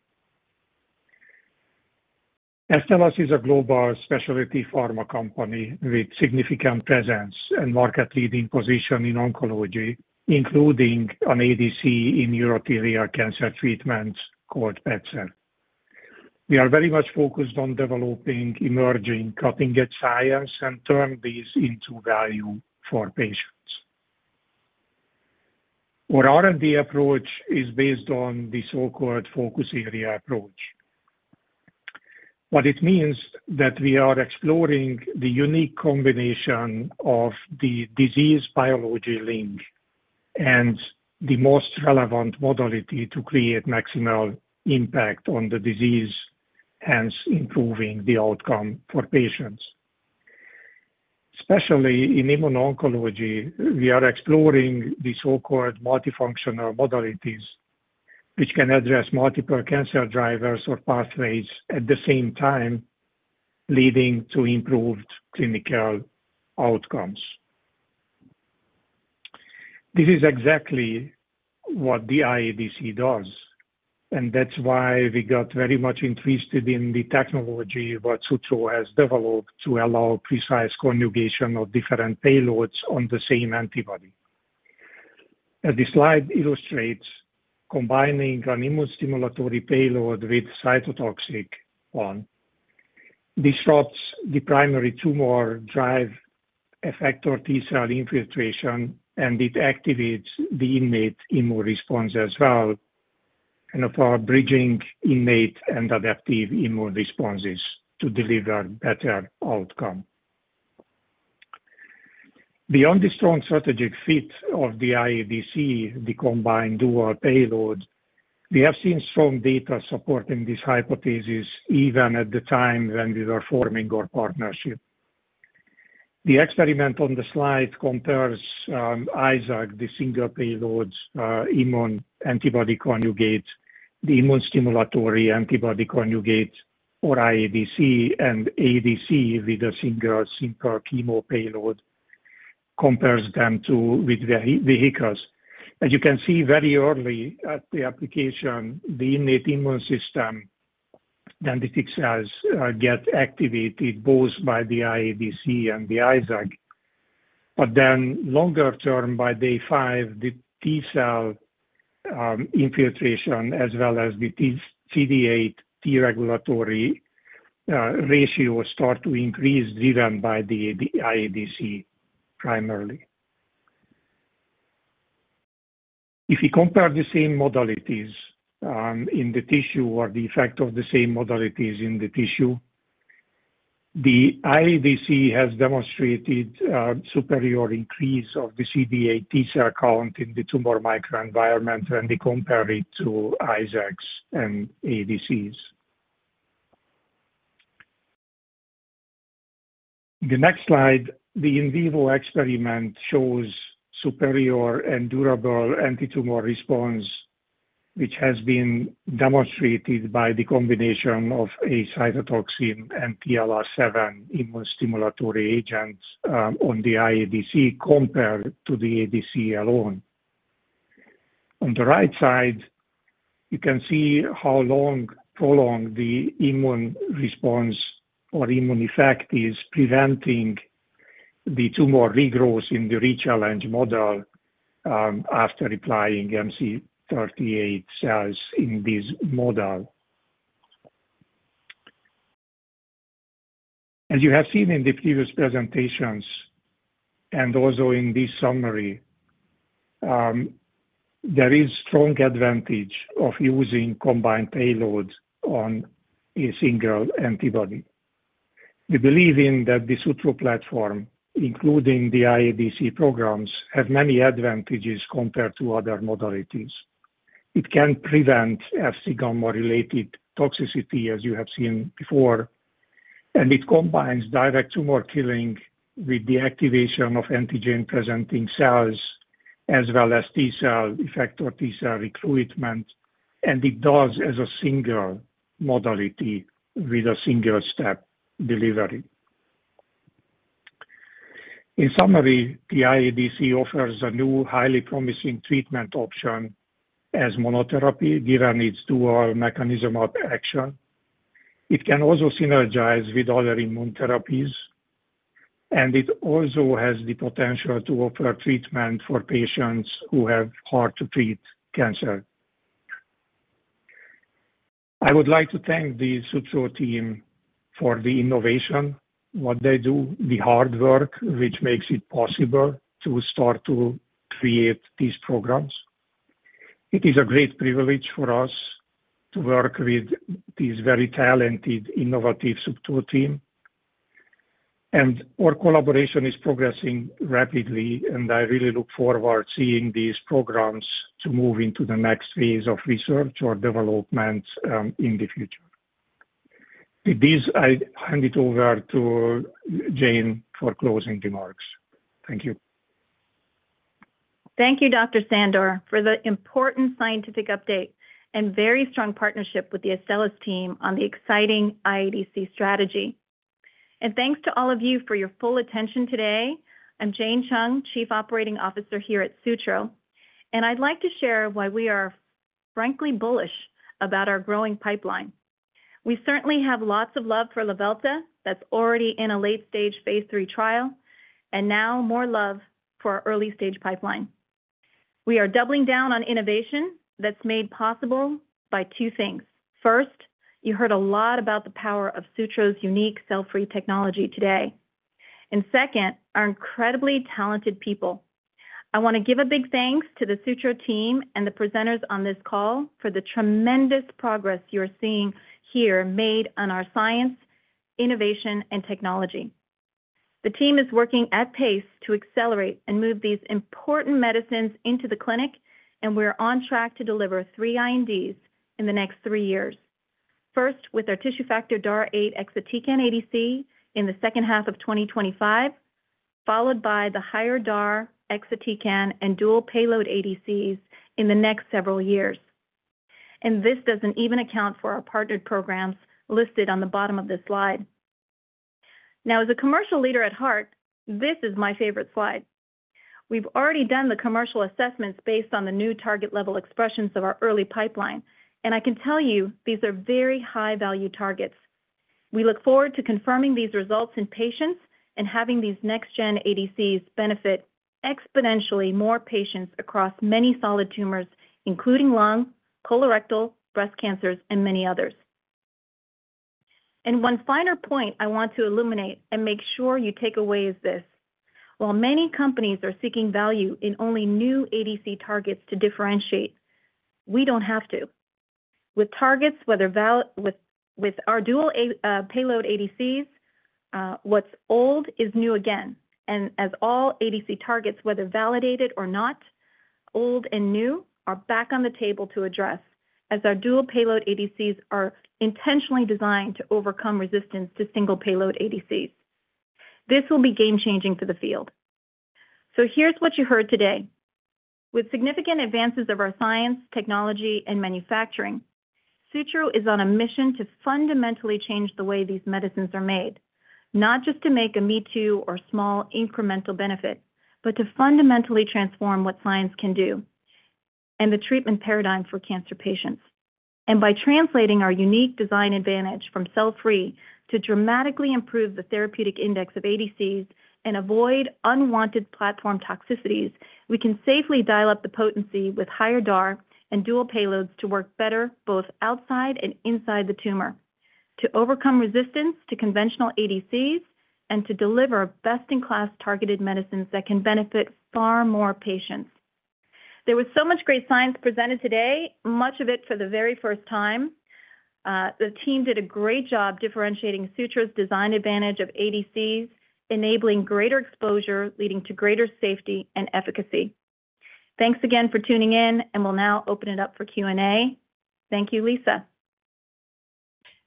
Astellas is a global specialty pharma company with significant presence and market-leading position in oncology, including an ADC in urothelial cancer treatments called Padcev. We are very much focused on developing emerging cutting-edge science and turn these into value for patients. Our R&D approach is based on the so-called focus area approach. What it means, that we are exploring the unique combination of the disease biology linker and the most relevant modality to create maximal impact on the disease, hence improving the outcome for patients. Especially in immuno-oncology, we are exploring the so-called multifunctional modalities, which can address multiple cancer drivers or pathways at the same time, leading to improved clinical outcomes. This is exactly what the IADC does, and that's why we got very much interested in the technology what Sutro has developed to allow precise conjugation of different payloads on the same antibody. As the slide illustrates, combining an immunostimulatory payload with cytotoxic one, disrupts the primary tumor driver, effector T cell infiltration, and it activates the innate immune response as well, and overall bridging innate and adaptive immune responses to deliver better outcome. Beyond the strong strategic fit of the iADC, the combined dual payload, we have seen strong data supporting this hypothesis even at the time when we were forming our partnership. The experiment on the slide compares ISAAC, the single payloads, immune-stimulating antibody conjugates, the immunostimulatory antibody conjugates, or iADC, and ADC with a single simple chemo payload, compares them with vehicles. As you can see very early after the application, the innate immune system, then the T cells get activated both by the iADC and the ISAAC, but then longer term, by day five, the T-cell infiltration, as well as the CD8 T regulatory ratio, start to increase, driven by the iADC primarily. If you compare the same modalities in the tissue or the effect of the same modalities in the tissue, the iADC has demonstrated superior increase of the CD8 T cell count in the tumor microenvironment, and we compare it to ISAACs and ADCs. The next slide, the in vivo experiment shows superior and durable antitumor response, which has been demonstrated by the combination of a cytotoxin and TLR7 immunostimulatory agents on the iADC, compared to the ADC alone. On the right side, you can see how the prolonged immune response or immune effect is preventing the tumor regrowth in the rechallenge model after applying MC38 cells in this model. As you have seen in the previous presentations, and also in this summary, there is strong advantage of using combined payloads on a single antibody. We believe in that the Sutro platform, including the iADC programs, have many advantages compared to other modalities. It can prevent Fc gamma-related toxicity, as you have seen before, and it combines direct tumor killing with the activation of antigen-presenting cells, as well as T cell effect or T cell recruitment, and it does as a single modality with a single-step delivery. In summary, the iADC offers a new, highly promising treatment option as monotherapy, given its dual mechanism of action. It can also synergize with other immune therapies... and it also has the potential to offer treatment for patients who have hard-to-treat cancer. I would like to thank the Sutro team for the innovation, what they do, the hard work, which makes it possible to start to create these programs. It is a great privilege for us to work with this very talented, innovative Sutro team, and our collaboration is progressing rapidly, and I really look forward seeing these programs to move into the next phase of research or development, in the future. With this, I hand it over to Jane for closing remarks. Thank you. Thank you, Dr. Sandor, for the important scientific update and very strong partnership with the Astellas team on the exciting IADC strategy. And thanks to all of you for your full attention today. I'm Jane Chung, Chief Operating Officer here at Sutro, and I'd like to share why we are frankly bullish about our growing pipeline. We certainly have lots of love for Luvelta that's already in a late-stage phase III trial, and now more love for our early-stage pipeline. We are doubling down on innovation that's made possible by two things. First, you heard a lot about the power of Sutro's unique cell-free technology today, and second, our incredibly talented people. I wanna give a big thanks to the Sutro team and the presenters on this call for the tremendous progress you're seeing here made on our science, innovation, and technology. The team is working at pace to accelerate and move these important medicines into the clinic, and we're on track to deliver three INDs in the next three years. First, with our tissue factor DAR 8 Exatecan ADC in the second half of 2025, followed by the higher DAR Exatecan and dual payload ADCs in the next several years, and this doesn't even account for our partnered programs listed on the bottom of this slide. Now, as a commercial leader at heart, this is my favorite slide. We've already done the commercial assessments based on the new target level expressions of our early pipeline, and I can tell you these are very high-value targets. We look forward to confirming these results in patients and having these next-gen ADCs benefit exponentially more patients across many solid tumors, including lung, colorectal, breast cancers, and many others. One finer point I want to illuminate and make sure you take away is this: While many companies are seeking value in only new ADC targets to differentiate, we don't have to. With targets, with our dual payload ADCs, what's old is new again. As all ADC targets, whether validated or not, old and new, are back on the table to address, as our dual payload ADCs are intentionally designed to overcome resistance to single payload ADCs. This will be game-changing for the field. Here's what you heard today. With significant advances of our science, technology, and manufacturing, Sutro is on a mission to fundamentally change the way these medicines are made, not just to make a me-too or small incremental benefit, but to fundamentally transform what science can do and the treatment paradigm for cancer patients. By translating our unique design advantage from cell-free to dramatically improve the therapeutic index of ADCs and avoid unwanted platform toxicities, we can safely dial up the potency with higher DAR and dual payloads to work better both outside and inside the tumor, to overcome resistance to conventional ADCs, and to deliver best-in-class targeted medicines that can benefit far more patients. There was so much great science presented today, much of it for the very first time. The team did a great job differentiating Sutro's design advantage of ADCs, enabling greater exposure, leading to greater safety and efficacy. Thanks again for tuning in, and we'll now open it up for Q&A. Thank you, Lisa.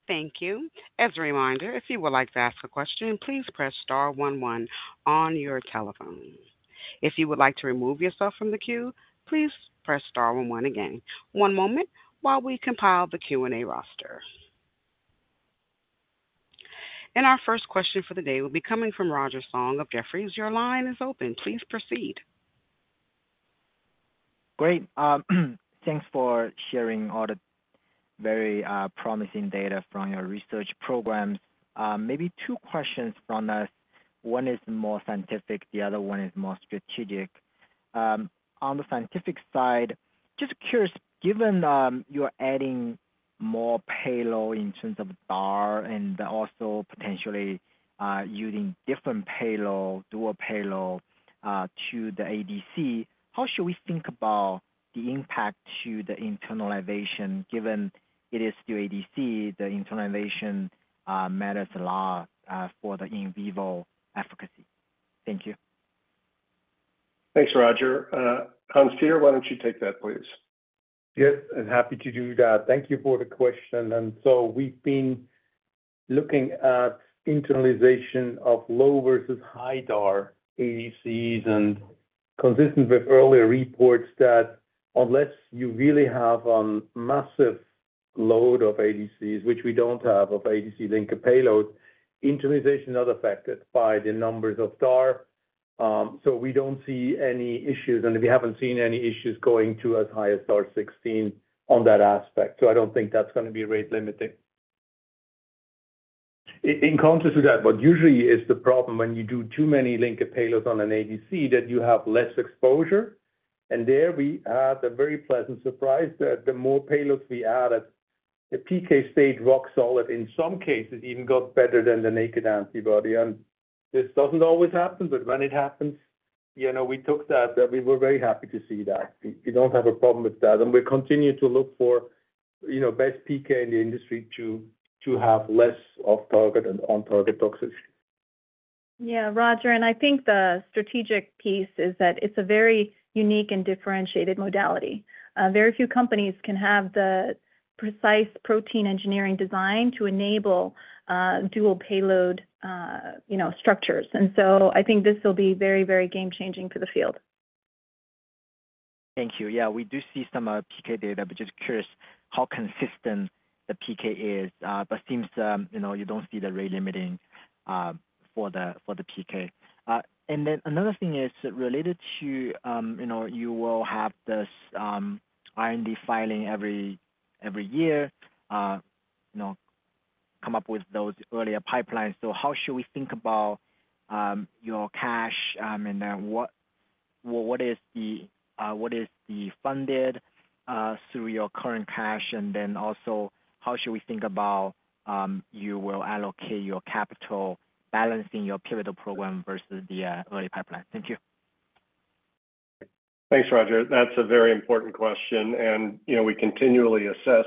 Thank you. As a reminder, if you would like to ask a question, please press star one one on your telephone. If you would like to remove yourself from the queue, please press star one one again. One moment while we compile the Q&A roster, and our first question for the day will be coming from Roger Song of Jefferies. Your line is open. Please proceed. Great. Thanks for sharing all the very promising data from your research programs. Maybe two questions from us. One is more scientific, the other one is more strategic. On the scientific side, just curious, given you're adding more payload in terms of DAR and also potentially using different payload, dual payload to the ADC, how should we think about the impact to the internalization, given it is to ADC, the internalization matters a lot for the in vivo efficacy? Thank you. Thanks, Roger. Hans-Peter, why don't you take that, please? Yes, and happy to do that. Thank you for the question. And so we've been looking at internalization of low versus high DAR ADCs, and consistent with earlier reports, that unless you really have massive load of ADCs, which we don't have, of ADC linker payload, internalization is not affected by the numbers of DAR. So we don't see any issues, and we haven't seen any issues going to as high as DAR 16 on that aspect, so I don't think that's gonna be rate-limiting. In contrast to that, what usually is the problem when you do too many linked payloads on an ADC, that you have less exposure. And there we had a very pleasant surprise, that the more payloads we added, the PK stayed rock solid, in some cases, even got better than the naked antibody. This doesn't always happen, but when it happens, you know, we took that we were very happy to see that. We don't have a problem with that, and we're continuing to look for, you know, best PK in the industry to have less off-target and on-target toxicity. Yeah, Roger, and I think the strategic piece is that it's a very unique and differentiated modality. Very few companies can have the precise protein engineering design to enable dual payload, you know, structures. And so I think this will be very, very game-changing for the field. Thank you. Yeah, we do see some PK data, but just curious how consistent the PK is. But seems you know, you don't see the rate limiting for the PK. And then another thing is related to you know, you will have this IND filing every year, you know, come up with those earlier pipelines. So how should we think about your cash, and then what is the funded through your current cash? And then also, how should we think about you will allocate your capital, balancing your pivotal program versus the early pipeline? Thank you. Thanks, Roger. That's a very important question, and, you know, we continually assess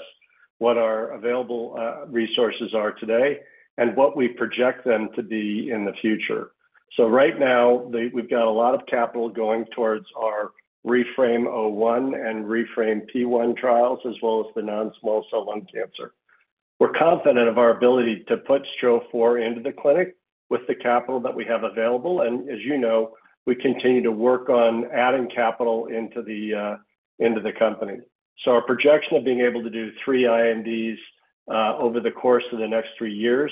what our available resources are today and what we project them to be in the future, so right now, we've got a lot of capital going towards our REFRaME-01 and REFRaME-P1 trials, as well as the non-small cell lung cancer. We're confident of our ability to put STRO-004 into the clinic with the capital that we have available, and as you know, we continue to work on adding capital into the company, so our projection of being able to do three INDs over the course of the next three years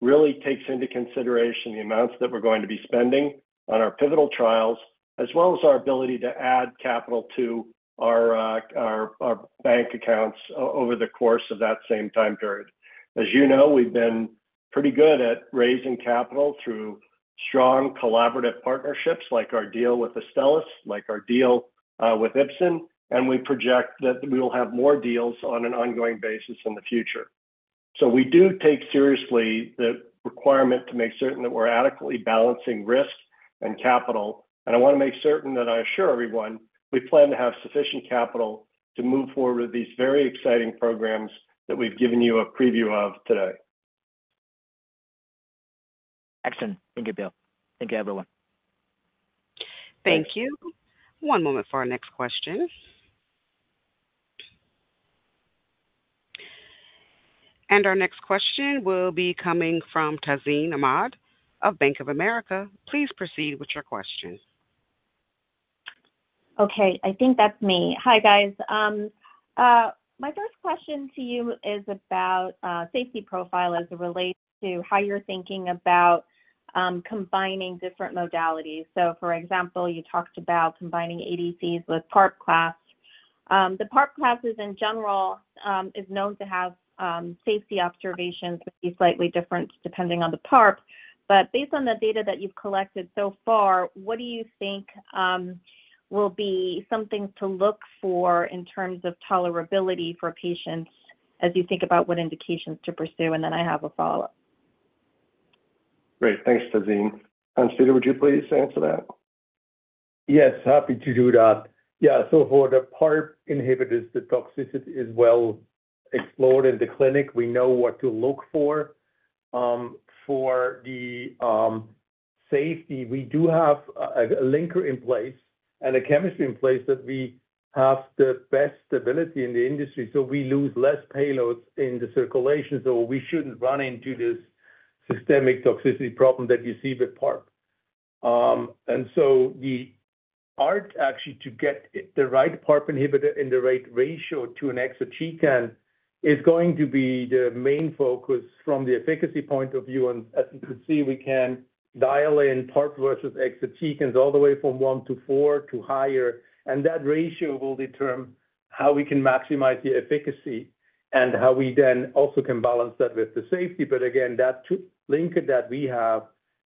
really takes into consideration the amounts that we're going to be spending on our pivotal trials, as well as our ability to add capital to our bank accounts over the course of that same time period. As you know, we've been pretty good at raising capital through strong collaborative partnerships, like our deal with Astellas, like our deal with Ipsen, and we project that we will have more deals on an ongoing basis in the future. So we do take seriously the requirement to make certain that we're adequately balancing risk and capital, and I want to make certain that I assure everyone we plan to have sufficient capital to move forward with these very exciting programs that we've given you a preview of today. Excellent. Thank you, Bill. Thank you, everyone. Thank you. One moment for our next question. And our next question will be coming from Tazeen Ahmad of Bank of America. Please proceed with your question. Okay, I think that's me. Hi, guys. My first question to you is about safety profile as it relates to how you're thinking about combining different modalities. So, for example, you talked about combining ADCs with PARP class. The PARP classes in general is known to have safety observations to be slightly different depending on the PARP. But based on the data that you've collected so far, what do you think will be something to look for in terms of tolerability for patients as you think about what indications to pursue? And then I have a follow-up. Great. Thanks, Tazeen. Hans-Peter, would you please answer that? Yes, happy to do that. Yeah, so for the PARP inhibitors, the toxicity is well explored in the clinic. We know what to look for. For the safety, we do have a linker in place and a chemistry in place that we have the best stability in the industry, so we lose less payloads in the circulation, so we shouldn't run into this systemic toxicity problem that you see with PARP, and so the art actually to get the right PARP inhibitor in the right ratio to an exatecan is going to be the main focus from the efficacy point of view, and as you can see, we can dial in PARP versus exatecans all the way from one to four to higher, and that ratio will determine how we can maximize the efficacy and how we then also can balance that with the safety. But again, that dual linker that we have,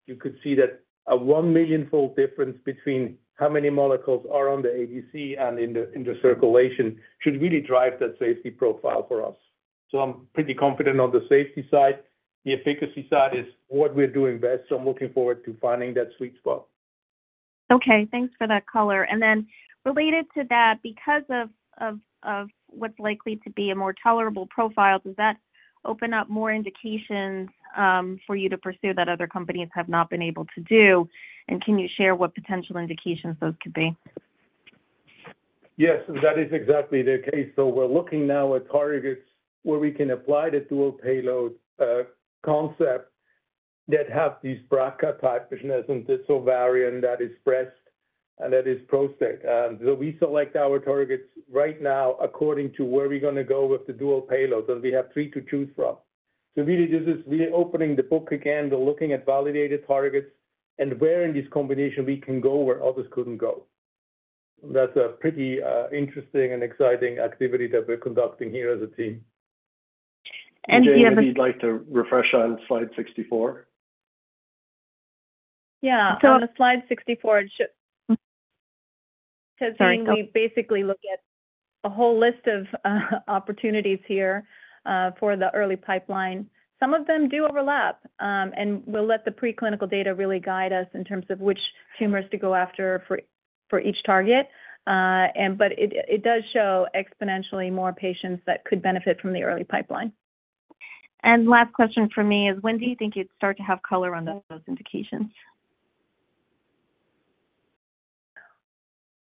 you could see that a one millionfold difference between how many molecules are on the ADC and in the circulation should really drive that safety profile for us. So I'm pretty confident on the safety side. The efficacy side is what we're doing best, so I'm looking forward to finding that sweet spot. Okay, thanks for that color. And then related to that, because of what's likely to be a more tolerable profile, does that open up more indications for you to pursue that other companies have not been able to do? And can you share what potential indications those could be? Yes, that is exactly the case. So we're looking now at targets where we can apply the dual payload concept that have these BRCA type mechanisms, this ovarian that is breast and that is prostate. So we select our targets right now according to where we're gonna go with the dual payload, and we have three to choose from. So really, this is reopening the book again, but looking at validated targets and where in this combination we can go where others couldn't go. That's a pretty interesting and exciting activity that we're conducting here as a team. Do you have a- Jane, if you'd like to refresh on slide sixty-four? Yeah. On the slide sixty-four, it should- Sorry, go. We basically look at a whole list of opportunities here for the early pipeline. Some of them do overlap, and we'll let the preclinical data really guide us in terms of which tumors to go after for each target. But it does show exponentially more patients that could benefit from the early pipeline. Last question for me is, when do you think you'd start to have color on those indications?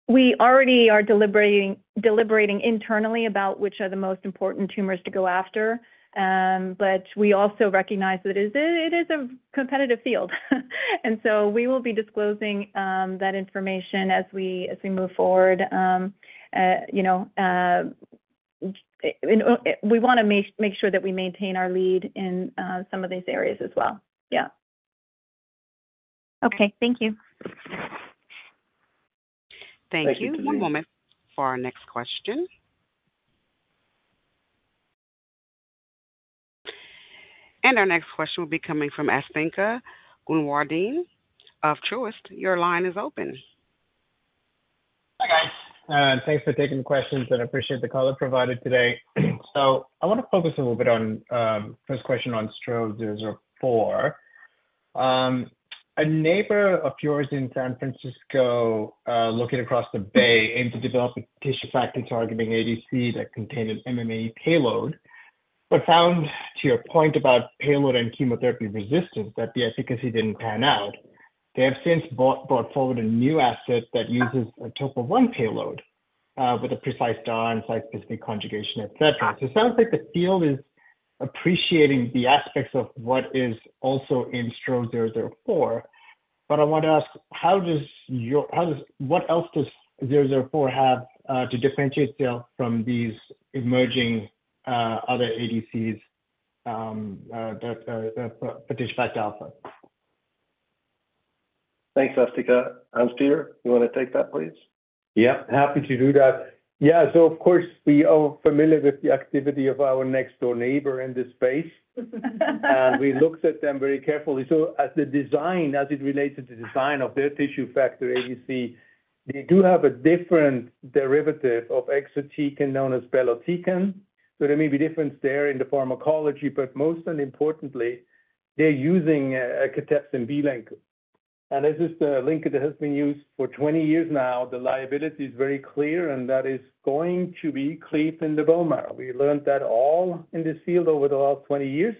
We already are deliberating internally about which are the most important tumors to go after. But we also recognize that it is a competitive field. And so we will be disclosing that information as we move forward. You know, and we wanna make sure that we maintain our lead in some of these areas as well. Yeah. Okay. Thank you. Thank you. One moment for our next question. And our next question will be coming from Asthika Goonewardene of Truist. Your line is open. Hi, guys, thanks for taking the questions, and I appreciate the color provided today. So I want to focus a little bit on, first question on STRO-004. A neighbor of yours in San Francisco, looking across the bay, aimed to develop a tissue factor-targeting ADC that contained an MMAE payload, but found, to your point about payload and chemotherapy resistance, that the efficacy didn't pan out. They have since brought forward a new asset that uses a topo-1 payload, with a precise DAR, site-specific conjugation, et cetera. So it sounds like the field is appreciating the aspects of what is also in STRO-004. But I want to ask, how does your -- how does... What else does STRO-004 have to differentiate itself from these emerging other ADCs that for tissue factor? Thanks, Asthika. Peter, you want to take that, please? Yeah, happy to do that. Yeah, so of course, we are familiar with the activity of our next-door neighbor in this space. And we looked at them very carefully. So as the design, as it relates to the design of their tissue factor ADC, they do have a different derivative of exatecan, known as belotecan. So there may be difference there in the pharmacology, but most and importantly, they're using a cathepsin B linker. And this is the linker that has been used for twenty years now. The liability is very clear, and that is going to be cleaved in the bone marrow. We learned that all in this field over the last 20 years.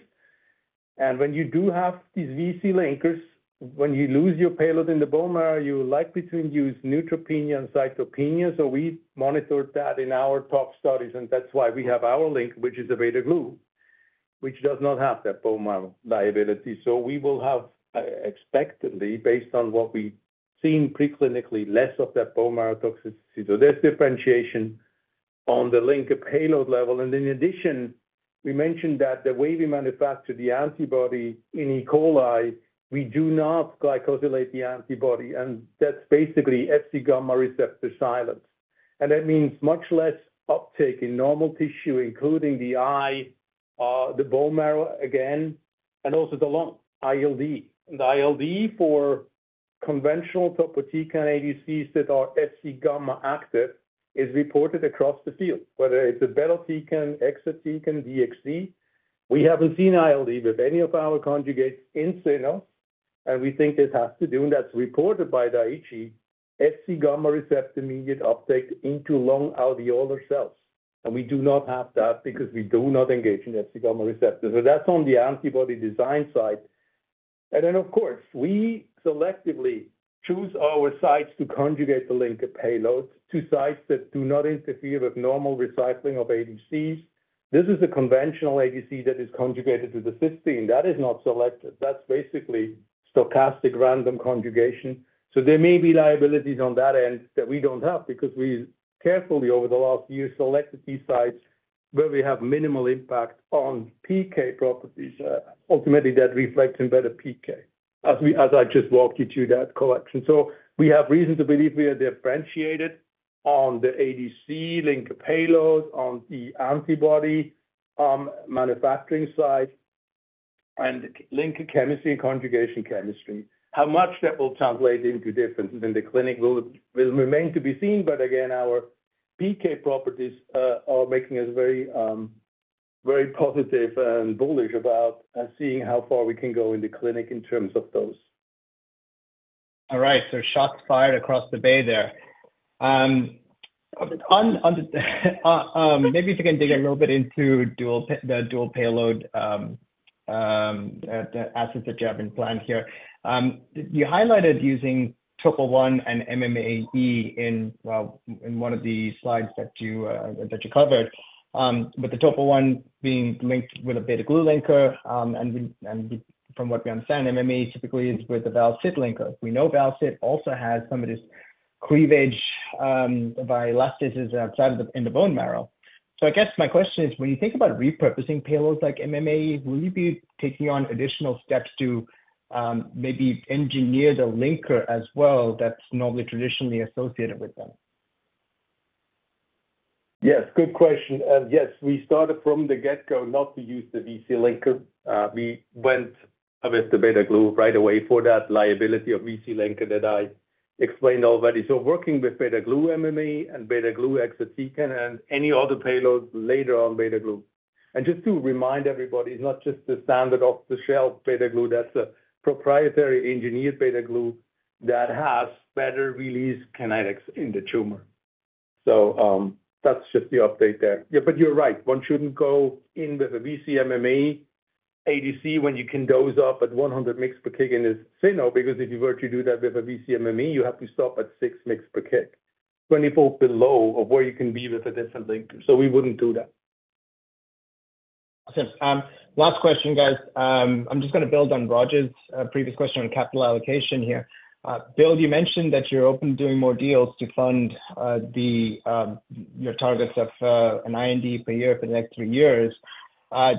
And when you do have these VC linkers, when you lose your payload in the bone marrow, you are likely to use neutropenia and cytopenia. So we monitored that in our tox studies, and that's why we have our link, which is a beta-Glu, which does not have that bone marrow liability. So we will have, expectantly, based on what we've seen preclinically, less of that bone marrow toxicity. So there's differentiation on the link, a payload level. And in addition, we mentioned that the way we manufacture the antibody in E. coli, we do not glycosylate the antibody, and that's basically Fc gamma receptor silencing. And that means much less uptake in normal tissue, including the eye, the bone marrow, again, and also the lung, ILD. The ILD for conventional topotecan ADCs that are Fc gamma active is reported across the field, whether it's a belotecan, exatecan, DXD. We haven't seen ILD with any of our conjugates in cyno, and we think this has to do, and that's reported by Daiichi, Fc gamma receptor immediate uptake into lung alveolar cells. We do not have that because we do not engage the Fc gamma receptor. That's on the antibody design side. Then, of course, we selectively choose our sites to conjugate the link of payloads to sites that do not interfere with normal recycling of ADCs. This is a conventional ADC that is conjugated to the cysteine, that is not selected. That's basically stochastic random conjugation. So there may be liabilities on that end that we don't have, because we carefully, over the last year, selected these sites where we have minimal impact on PK properties. Ultimately, that reflects in better PK, as I just walked you through that collection. So we have reason to believe we are differentiated on the ADC linker payloads, on the antibody, manufacturing side, and linker chemistry and conjugation chemistry. How much that will translate into differences in the clinic will remain to be seen, but again, our PK properties are making us very, very positive and bullish about seeing how far we can go in the clinic in terms of those. All right, so shots fired across the bay there. On the, maybe if you can dig a little bit into the dual payload design.... the assets that you have in plan here. You highlighted using Trop-2 and MMAE in, well, in one of the slides that you covered, with the Trop-2 being linked with a beta-glucuronidase linker. And we, from what we understand, MMAE typically is with the Val-Cit linker. We know Val-Cit also has some of this cleavage by elastases outside of, in the bone marrow. So I guess my question is, when you think about repurposing payloads like MMAE, will you be taking on additional steps to maybe engineer the linker as well, that's normally traditionally associated with them? Yes, good question. And yes, we started from the get-go not to use the VC linker. We went with the beta-glucuronidase right away for that liability of VC linker that I explained already. So working with beta-glucuronidase MMAE and beta-glucuronidase exatecan and any other payloads later on, beta-glucuronidase. And just to remind everybody, it's not just the standard off-the-shelf beta-glucuronidase, that's a proprietary engineered beta-glucuronidase that has better release kinetics in the tumor. So, that's just the update there. Yeah, but you're right, one shouldn't go in with a VC-MMAE ADC when you can dose up at 100 mg/kg in this cyno. Because if you were to do that with a VC-MMAE, you have to stop at 6 mg/kg, 24-fold below where you can be with a different linker, so we wouldn't do that. Awesome. Last question, guys. I'm just gonna build on Raj's previous question on capital allocation here. Bill, you mentioned that you're open to doing more deals to fund your targets of an IND per year for the next three years.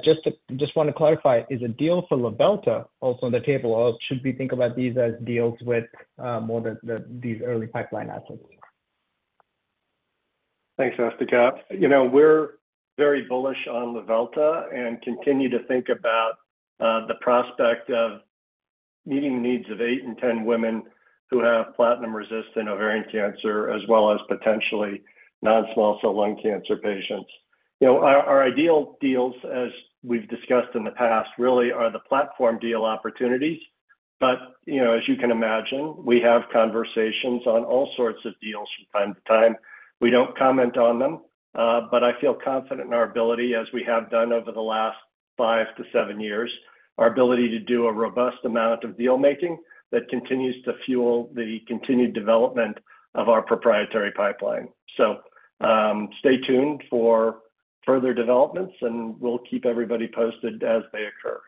Just want to clarify, is a deal for Luvelta also on the table, or should we think about these as deals with more the the these early pipeline assets? Thanks, Asthika. You know, we're very bullish on Luvelta and continue to think about the prospect of meeting the needs of eight in ten women who have platinum-resistant ovarian cancer, as well as potentially non-small cell lung cancer patients. You know, our ideal deals, as we've discussed in the past, really are the platform deal opportunities, but you know, as you can imagine, we have conversations on all sorts of deals from time to time. We don't comment on them, but I feel confident in our ability, as we have done over the last five to seven years, our ability to do a robust amount of deal making that continues to fuel the continued development of our proprietary pipeline, so stay tuned for further developments, and we'll keep everybody posted as they occur.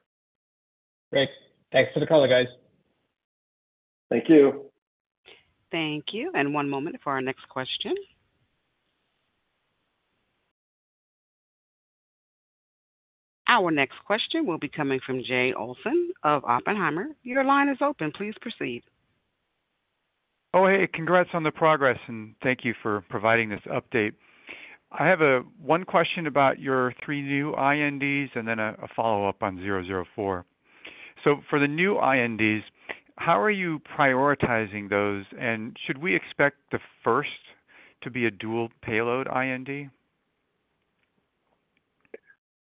Great. Thanks for the color, guys. Thank you. Thank you, and one moment for our next question. Our next question will be coming from Jay Olson of Oppenheimer. Your line is open. Please proceed. Oh, hey, congrats on the progress, and thank you for providing this update. I have one question about your three new INDs and then a follow-up on zero zero four. So for the new INDs, how are you prioritizing those, and should we expect the first to be a dual payload IND?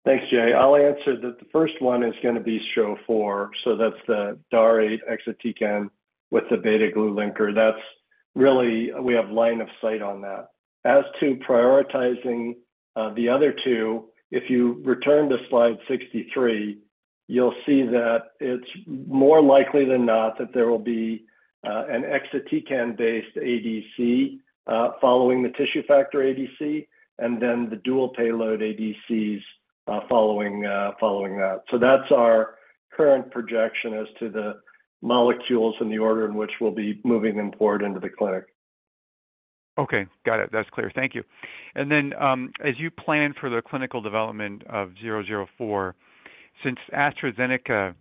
Thanks, Jay. I'll answer that the first one is gonna be STRO-004, so that's the DAR exatecan with the beta-glucuronidase linker. That's really, we have line of sight on that. As to prioritizing the other two, if you return to slide sixty-three, you'll see that it's more likely than not that there will be an exatecan-based ADC following the tissue factor ADC, and then the dual payload ADCs following that. So that's our current projection as to the molecules and the order in which we'll be moving them forward into the clinic. Okay, got it. That's clear. Thank you. And then, as you plan for the clinical development of STRO-004, since AstraZeneca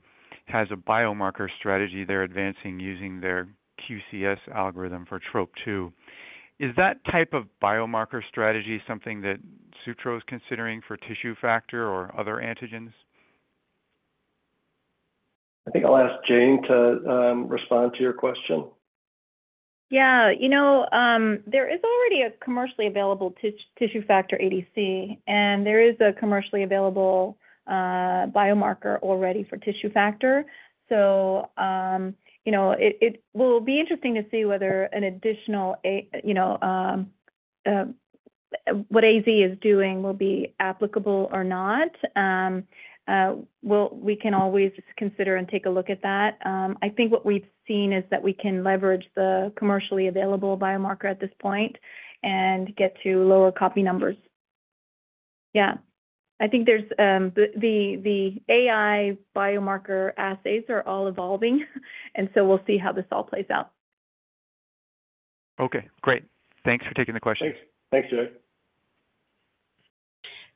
has a biomarker strategy they're advancing using their QCS algorithm for Trop-2, is that type of biomarker strategy something that Sutro is considering for tissue factor or other antigens? I think I'll ask Jane to respond to your question. Yeah, you know, there is already a commercially available tissue factor ADC, and there is a commercially available biomarker already for tissue factor. So, you know, it will be interesting to see whether an additional, you know, what AZ is doing will be applicable or not. We can always consider and take a look at that. I think what we've seen is that we can leverage the commercially available biomarker at this point and get to lower copy numbers. Yeah, I think there's the AI biomarker assays are all evolving, and so we'll see how this all plays out. Okay, great. Thanks for taking the question. Thanks. Thanks, Jay.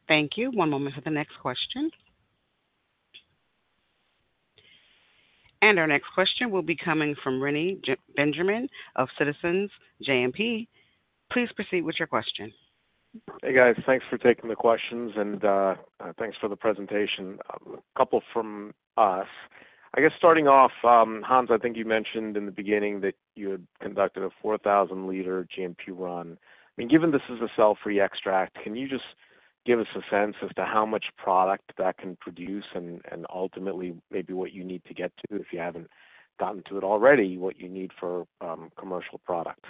Thank you. One moment for the next question. Our next question will be coming from Rennie Benjamin of Citizens JMP. Please proceed with your question. Hey, guys. Thanks for taking the questions, and, thanks for the presentation. A couple from us. I guess starting off, Hans, I think you mentioned in the beginning that you had conducted a 4,000-liter GMP run. I mean, given this is a cell-free extract, can you just give us a sense as to how much product that can produce and ultimately maybe what you need to get to, if you haven't gotten to it already, what you need for commercial product?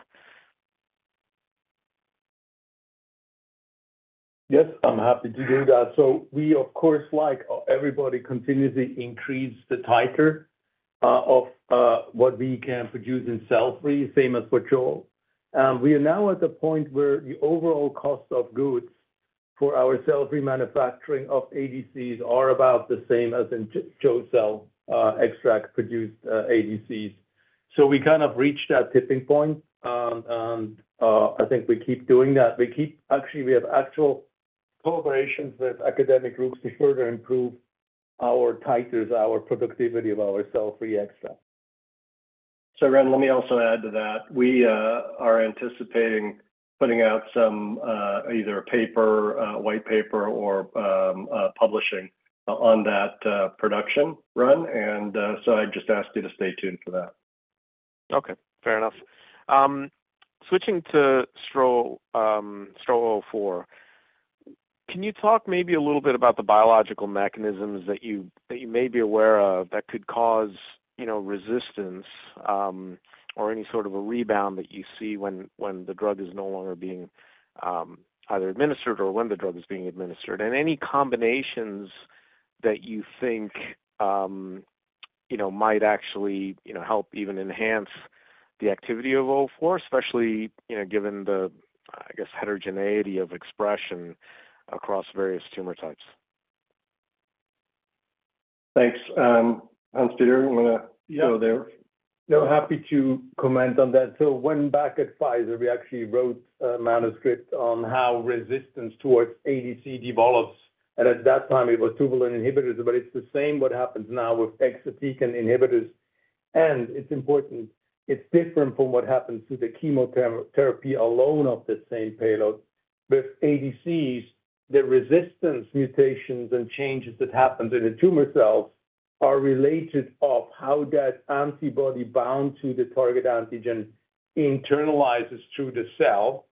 Yes, I'm happy to do that. So we, of course, like everybody, continuously increase the titer of what we can produce in cell-free, same as for CHO. We are now at the point where the overall cost of goods for our cell-free manufacturing of ADCs are about the same as in CHO cell extract produced ADCs. So we kind of reached that tipping point. I think we keep doing that. Actually, we have actual collaborations with academic groups to further improve our titers, our productivity of our cell-free extract. So Rand, let me also add to that. We are anticipating putting out some either a paper, white paper, or publishing on that production run, and so I just ask you to stay tuned for that. Okay, fair enough. Switching to STRO-004, can you talk maybe a little bit about the biological mechanisms that you may be aware of, that could cause, you know, resistance, or any sort of a rebound that you see when the drug is no longer being either administered or when the drug is being administered? And any combinations that you think, you know, might actually, you know, help even enhance the activity of STRO-004, especially, you know, given the, I guess, heterogeneity of expression across various tumor types. Thanks, Hans-Peter. I'm gonna go there. Yeah. No, happy to comment on that. So when back at Pfizer, we actually wrote a manuscript on how resistance towards ADC develops, and at that time it was tubulin inhibitors, but it's the same what happens now with exatecan inhibitors. And it's important, it's different from what happens to the chemotherapy alone of the same payload. With ADCs, the resistance mutations and changes that happens in the tumor cells are related of how that antibody bound to the target antigen internalizes through the cell,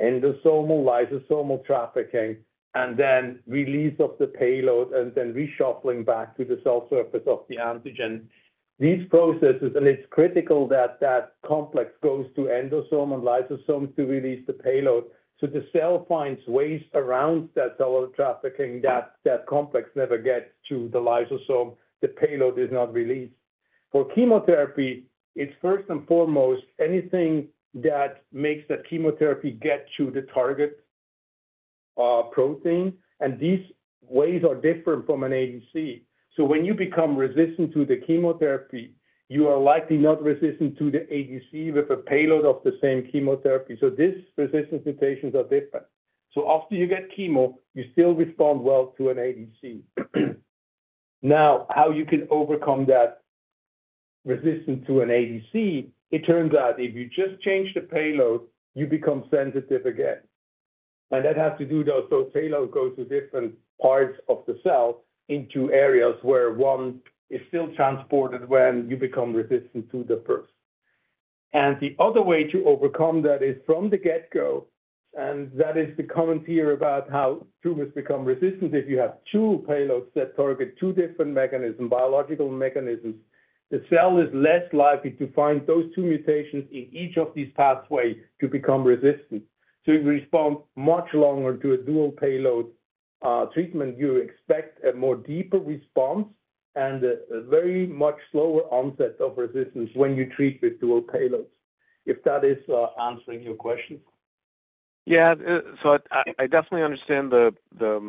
endosomal-lysosomal trafficking, and then release of the payload, and then reshuffling back to the cell surface of the antigen. These processes, and it's critical that that complex goes to endosome and lysosomes to release the payload. So the cell finds ways around that cell trafficking, that, that complex never gets to the lysosome. The payload is not released. For chemotherapy, it's first and foremost, anything that makes the chemotherapy get to the target protein, and these ways are different from an ADC. So when you become resistant to the chemotherapy, you are likely not resistant to the ADC with a payload of the same chemotherapy. So this resistance mutations are different. So after you get chemo, you still respond well to an ADC. Now, how you can overcome that resistance to an ADC, it turns out if you just change the payload, you become sensitive again. And that has to do, though, so payload goes to different parts of the cell into areas where one is still transported when you become resistant to the first. And the other way to overcome that is from the get-go, and that is the current theory about how tumors become resistant. If you have two payloads that target two different mechanism, biological mechanisms, the cell is less likely to find those two mutations in each of these pathways to become resistant. So you respond much longer to a dual payload treatment, you expect a more deeper response and a very much slower onset of resistance when you treat with dual payloads. If that is answering your question. Yeah, so I definitely understand the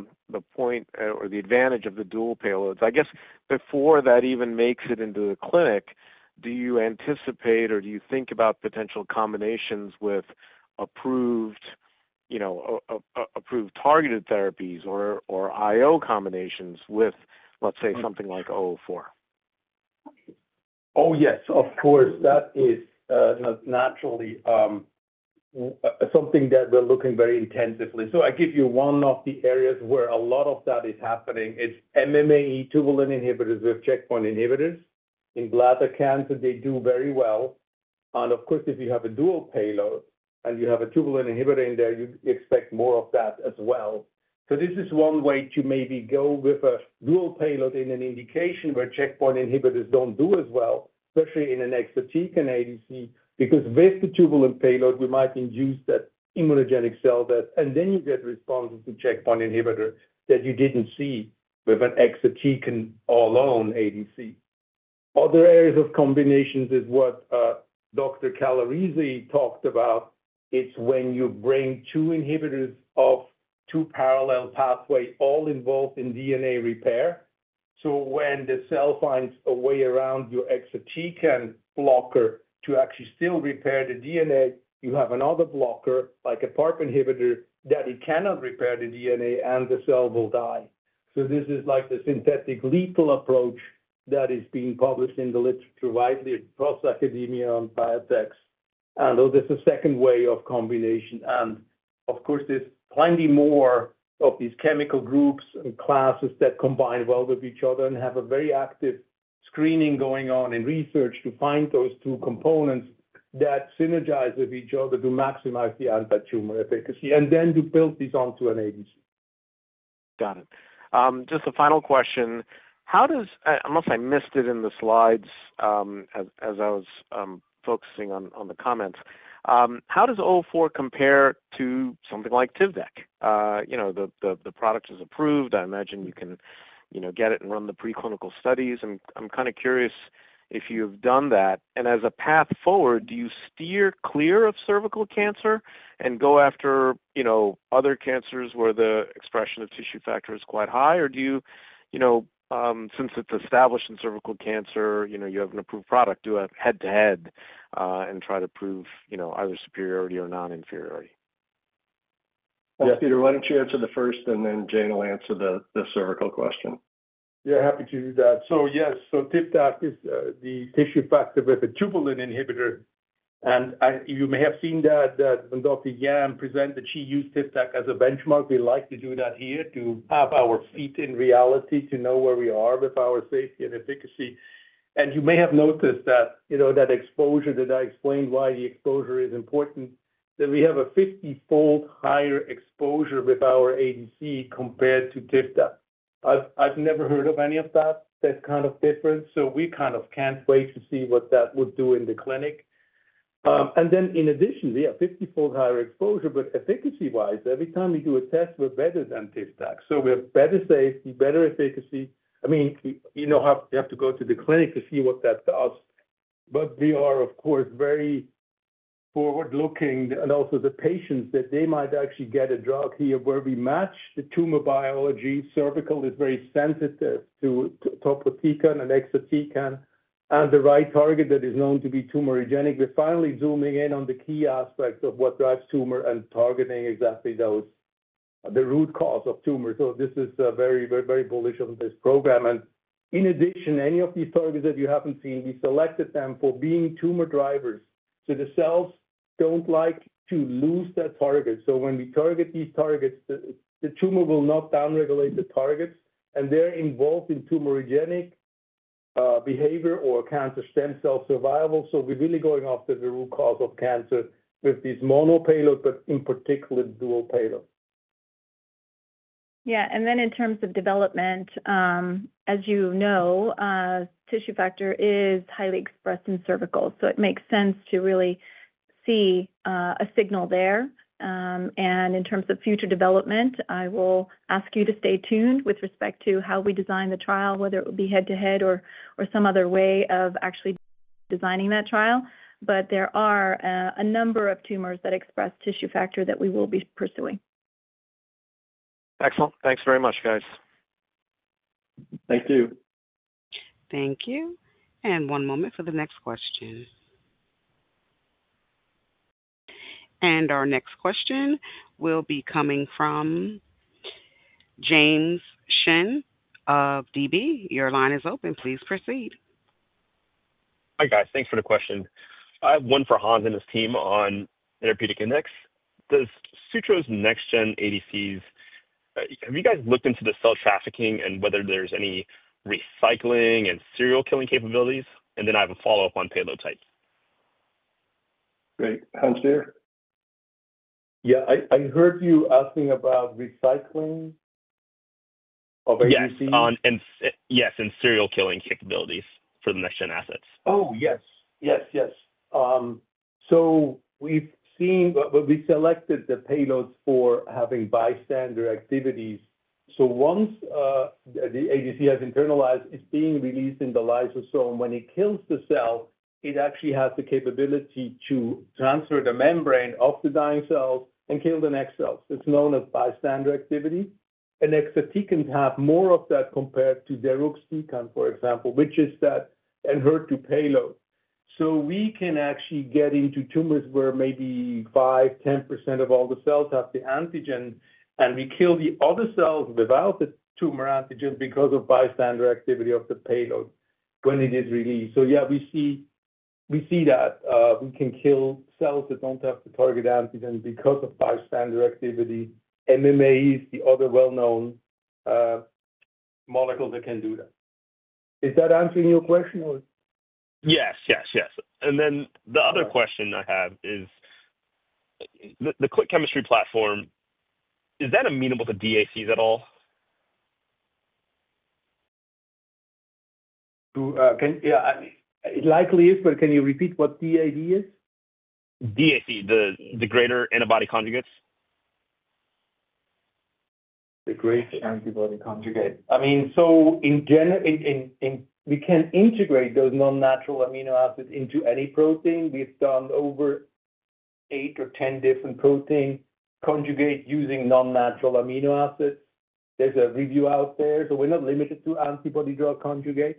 point or the advantage of the dual payloads. I guess before that even makes it into the clinic, do you anticipate or do you think about potential combinations with approved, you know, approved targeted therapies or IO combinations with, let's say, something like O4? Oh, yes, of course. That is, naturally, something that we're looking very intensively, so I give you one of the areas where a lot of that is happening. It's MMAE tubulin inhibitors with checkpoint inhibitors. In bladder cancer, they do very well, and of course, if you have a dual payload and you have a tubulin inhibitor in there, you'd expect more of that as well, so this is one way to maybe go with a dual payload in an indication where checkpoint inhibitors don't do as well, especially in an exatecan ADC, because with the tubulin payload, we might induce that immunogenic cell death, and then you get responses to checkpoint inhibitor that you didn't see with an exatecan or lone ADC. Other areas of combinations is what Dr. Calarese talked about. It's when you bring two inhibitors of two parallel pathway, all involved in DNA repair. So when the cell finds a way around your exatecan blocker to actually still repair the DNA, you have another blocker, like a PARP inhibitor, that it cannot repair the DNA and the cell will die. So this is like the synthetic lethal approach that is being published in the literature widely across academia and biotechs. And so this is a second way of combination. And of course, there's plenty more of these chemical groups and classes that combine well with each other and have a very active screening going on in research to find those two components that synergize with each other to maximize the anti-tumor efficacy, and then to build this onto an ADC.... Got it. Just a final question. How does, unless I missed it in the slides, as I was focusing on the comments, how does STRO-004 compare to something like Tivdak? You know, the product is approved. I imagine you can, you know, get it and run the preclinical studies. I'm kind of curious if you've done that. And as a path forward, do you steer clear of cervical cancer and go after, you know, other cancers where the expression of tissue factor is quite high? Or do you, you know, since it's established in cervical cancer, you know, you have an approved product, do a head-to-head, and try to prove, you know, either superiority or non-inferiority? Peter, why don't you answer the first, and then Jane will answer the cervical question. Yeah, happy to do that. So yes, Tivdak is the tissue factor with a tubulin inhibitor, and you may have seen that when Dr. Yam presented, she used Tivdak as a benchmark. We like to do that here, to have our feet in reality, to know where we are with our safety and efficacy, and you may have noticed that, you know, that exposure that I explained why the exposure is important, that we have a fifty-fold higher exposure with our ADC compared to Tivdak. I've never heard of any of that kind of difference, so we kind of can't wait to see what that would do in the clinic, and then in addition, we have fifty-fold higher exposure, but efficacy-wise, every time we do a test, we're better than Tivdak, so we have better safety, better efficacy. I mean, we know how we have to go to the clinic to see what that does, but we are, of course, very forward-looking, and also the patients, that they might actually get a drug here where we match the tumor biology. Cervical is very sensitive to topotecan and Exatecan, and the right target that is known to be tumorigenic. We're finally zooming in on the key aspects of what drives tumor and targeting exactly those, the root cause of tumor. So this is very, very, very bullish on this program. And in addition, any of these targets that you haven't seen, we selected them for being tumor drivers. So the cells don't like to lose that target. So when we target these targets, the tumor will not down-regulate the targets, and they're involved in tumorigenic behavior or cancer stem cell survival. So we're really going after the root cause of cancer with these mono payload, but in particular, dual payload. Yeah, and then in terms of development, as you know, tissue factor is highly expressed in cervical, so it makes sense to really see a signal there. And in terms of future development, I will ask you to stay tuned with respect to how we design the trial, whether it would be head-to-head or, or some other way of actually designing that trial. But there are a number of tumors that express tissue factor that we will be pursuing. Excellent. Thanks very much, guys. Thank you. Thank you. And one moment for the next question. And our next question will be coming from James Shin of DB. Your line is open. Please proceed. Hi, guys. Thanks for the question. I have one for Hans and his team on therapeutic index. Does Sutro's next gen ADCs have you guys looked into the cell trafficking and whether there's any recycling and serial killing capabilities? And then I have a follow-up on payload type. Great. Hans here. Yeah, I heard you asking about recycling of ADCs? Yes, serial killing capabilities for the next gen assets. Oh, yes. Yes, yes. So we've seen, but we selected the payloads for having bystander activities. So once, the ADC has internalized, it's being released in the lysosome. When it kills the cell, it actually has the capability to transfer the membrane of the dying cell and kill the next cells. It's known as bystander activity. And exatecans have more of that compared to deruxtecan, for example, which is the Enhertu payload. So we can actually get into tumors where maybe 5%-10% of all the cells have the antigen, and we kill the other cells without the tumor antigen because of bystander activity of the payload when it is released. So yeah, we see that we can kill cells that don't have the target antigen because of bystander activity. MMA is the other well-known molecule that can do that. Is that answering your question, or? Yes, yes, yes. And then the other question I have is, the click chemistry platform, is that amenable to ADCs at all? Yeah, it likely is, but can you repeat what DAD is? ADCs, the next generation antibody conjugates. The degrader antibody conjugate. I mean, so in general, we can integrate those non-natural amino acids into any protein. We've done over eight or 10 different protein conjugates using non-natural amino acids. There's a review out there, so we're not limited to antibody drug conjugates,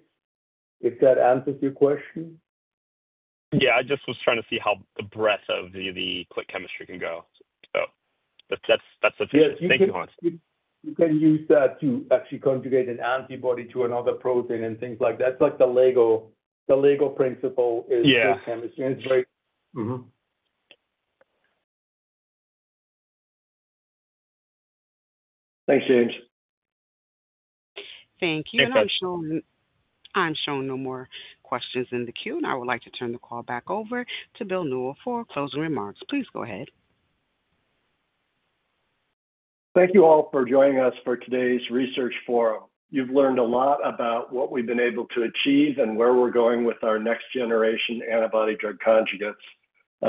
if that answers your question. Yeah, I just was trying to see how the breadth of the click chemistry can go. So that's it. Thank you, Hans. You can use that to actually conjugate an antibody to another protein and things like that. That's like the Lego principle is- Yeah. Chemistry. It's great. Mm-hmm. Thanks, James. Thank you. Thanks, guys. I'm showing no more questions in the queue, and I would like to turn the call back over to Bill Newell for closing remarks. Please go ahead. Thank you all for joining us for today's Research Forum. You've learned a lot about what we've been able to achieve and where we're going with our next-generation antibody-drug conjugates.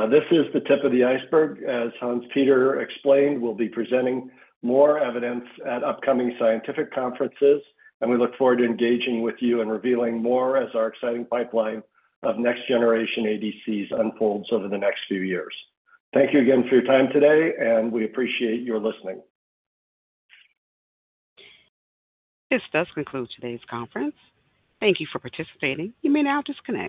This is the tip of the iceberg. As Hans-Peter explained, we'll be presenting more evidence at upcoming scientific conferences, and we look forward to engaging with you and revealing more as our exciting pipeline of next-generation ADCs unfolds over the next few years. Thank you again for your time today, and we appreciate your listening. This does conclude today's conference. Thank you for participating. You may now disconnect.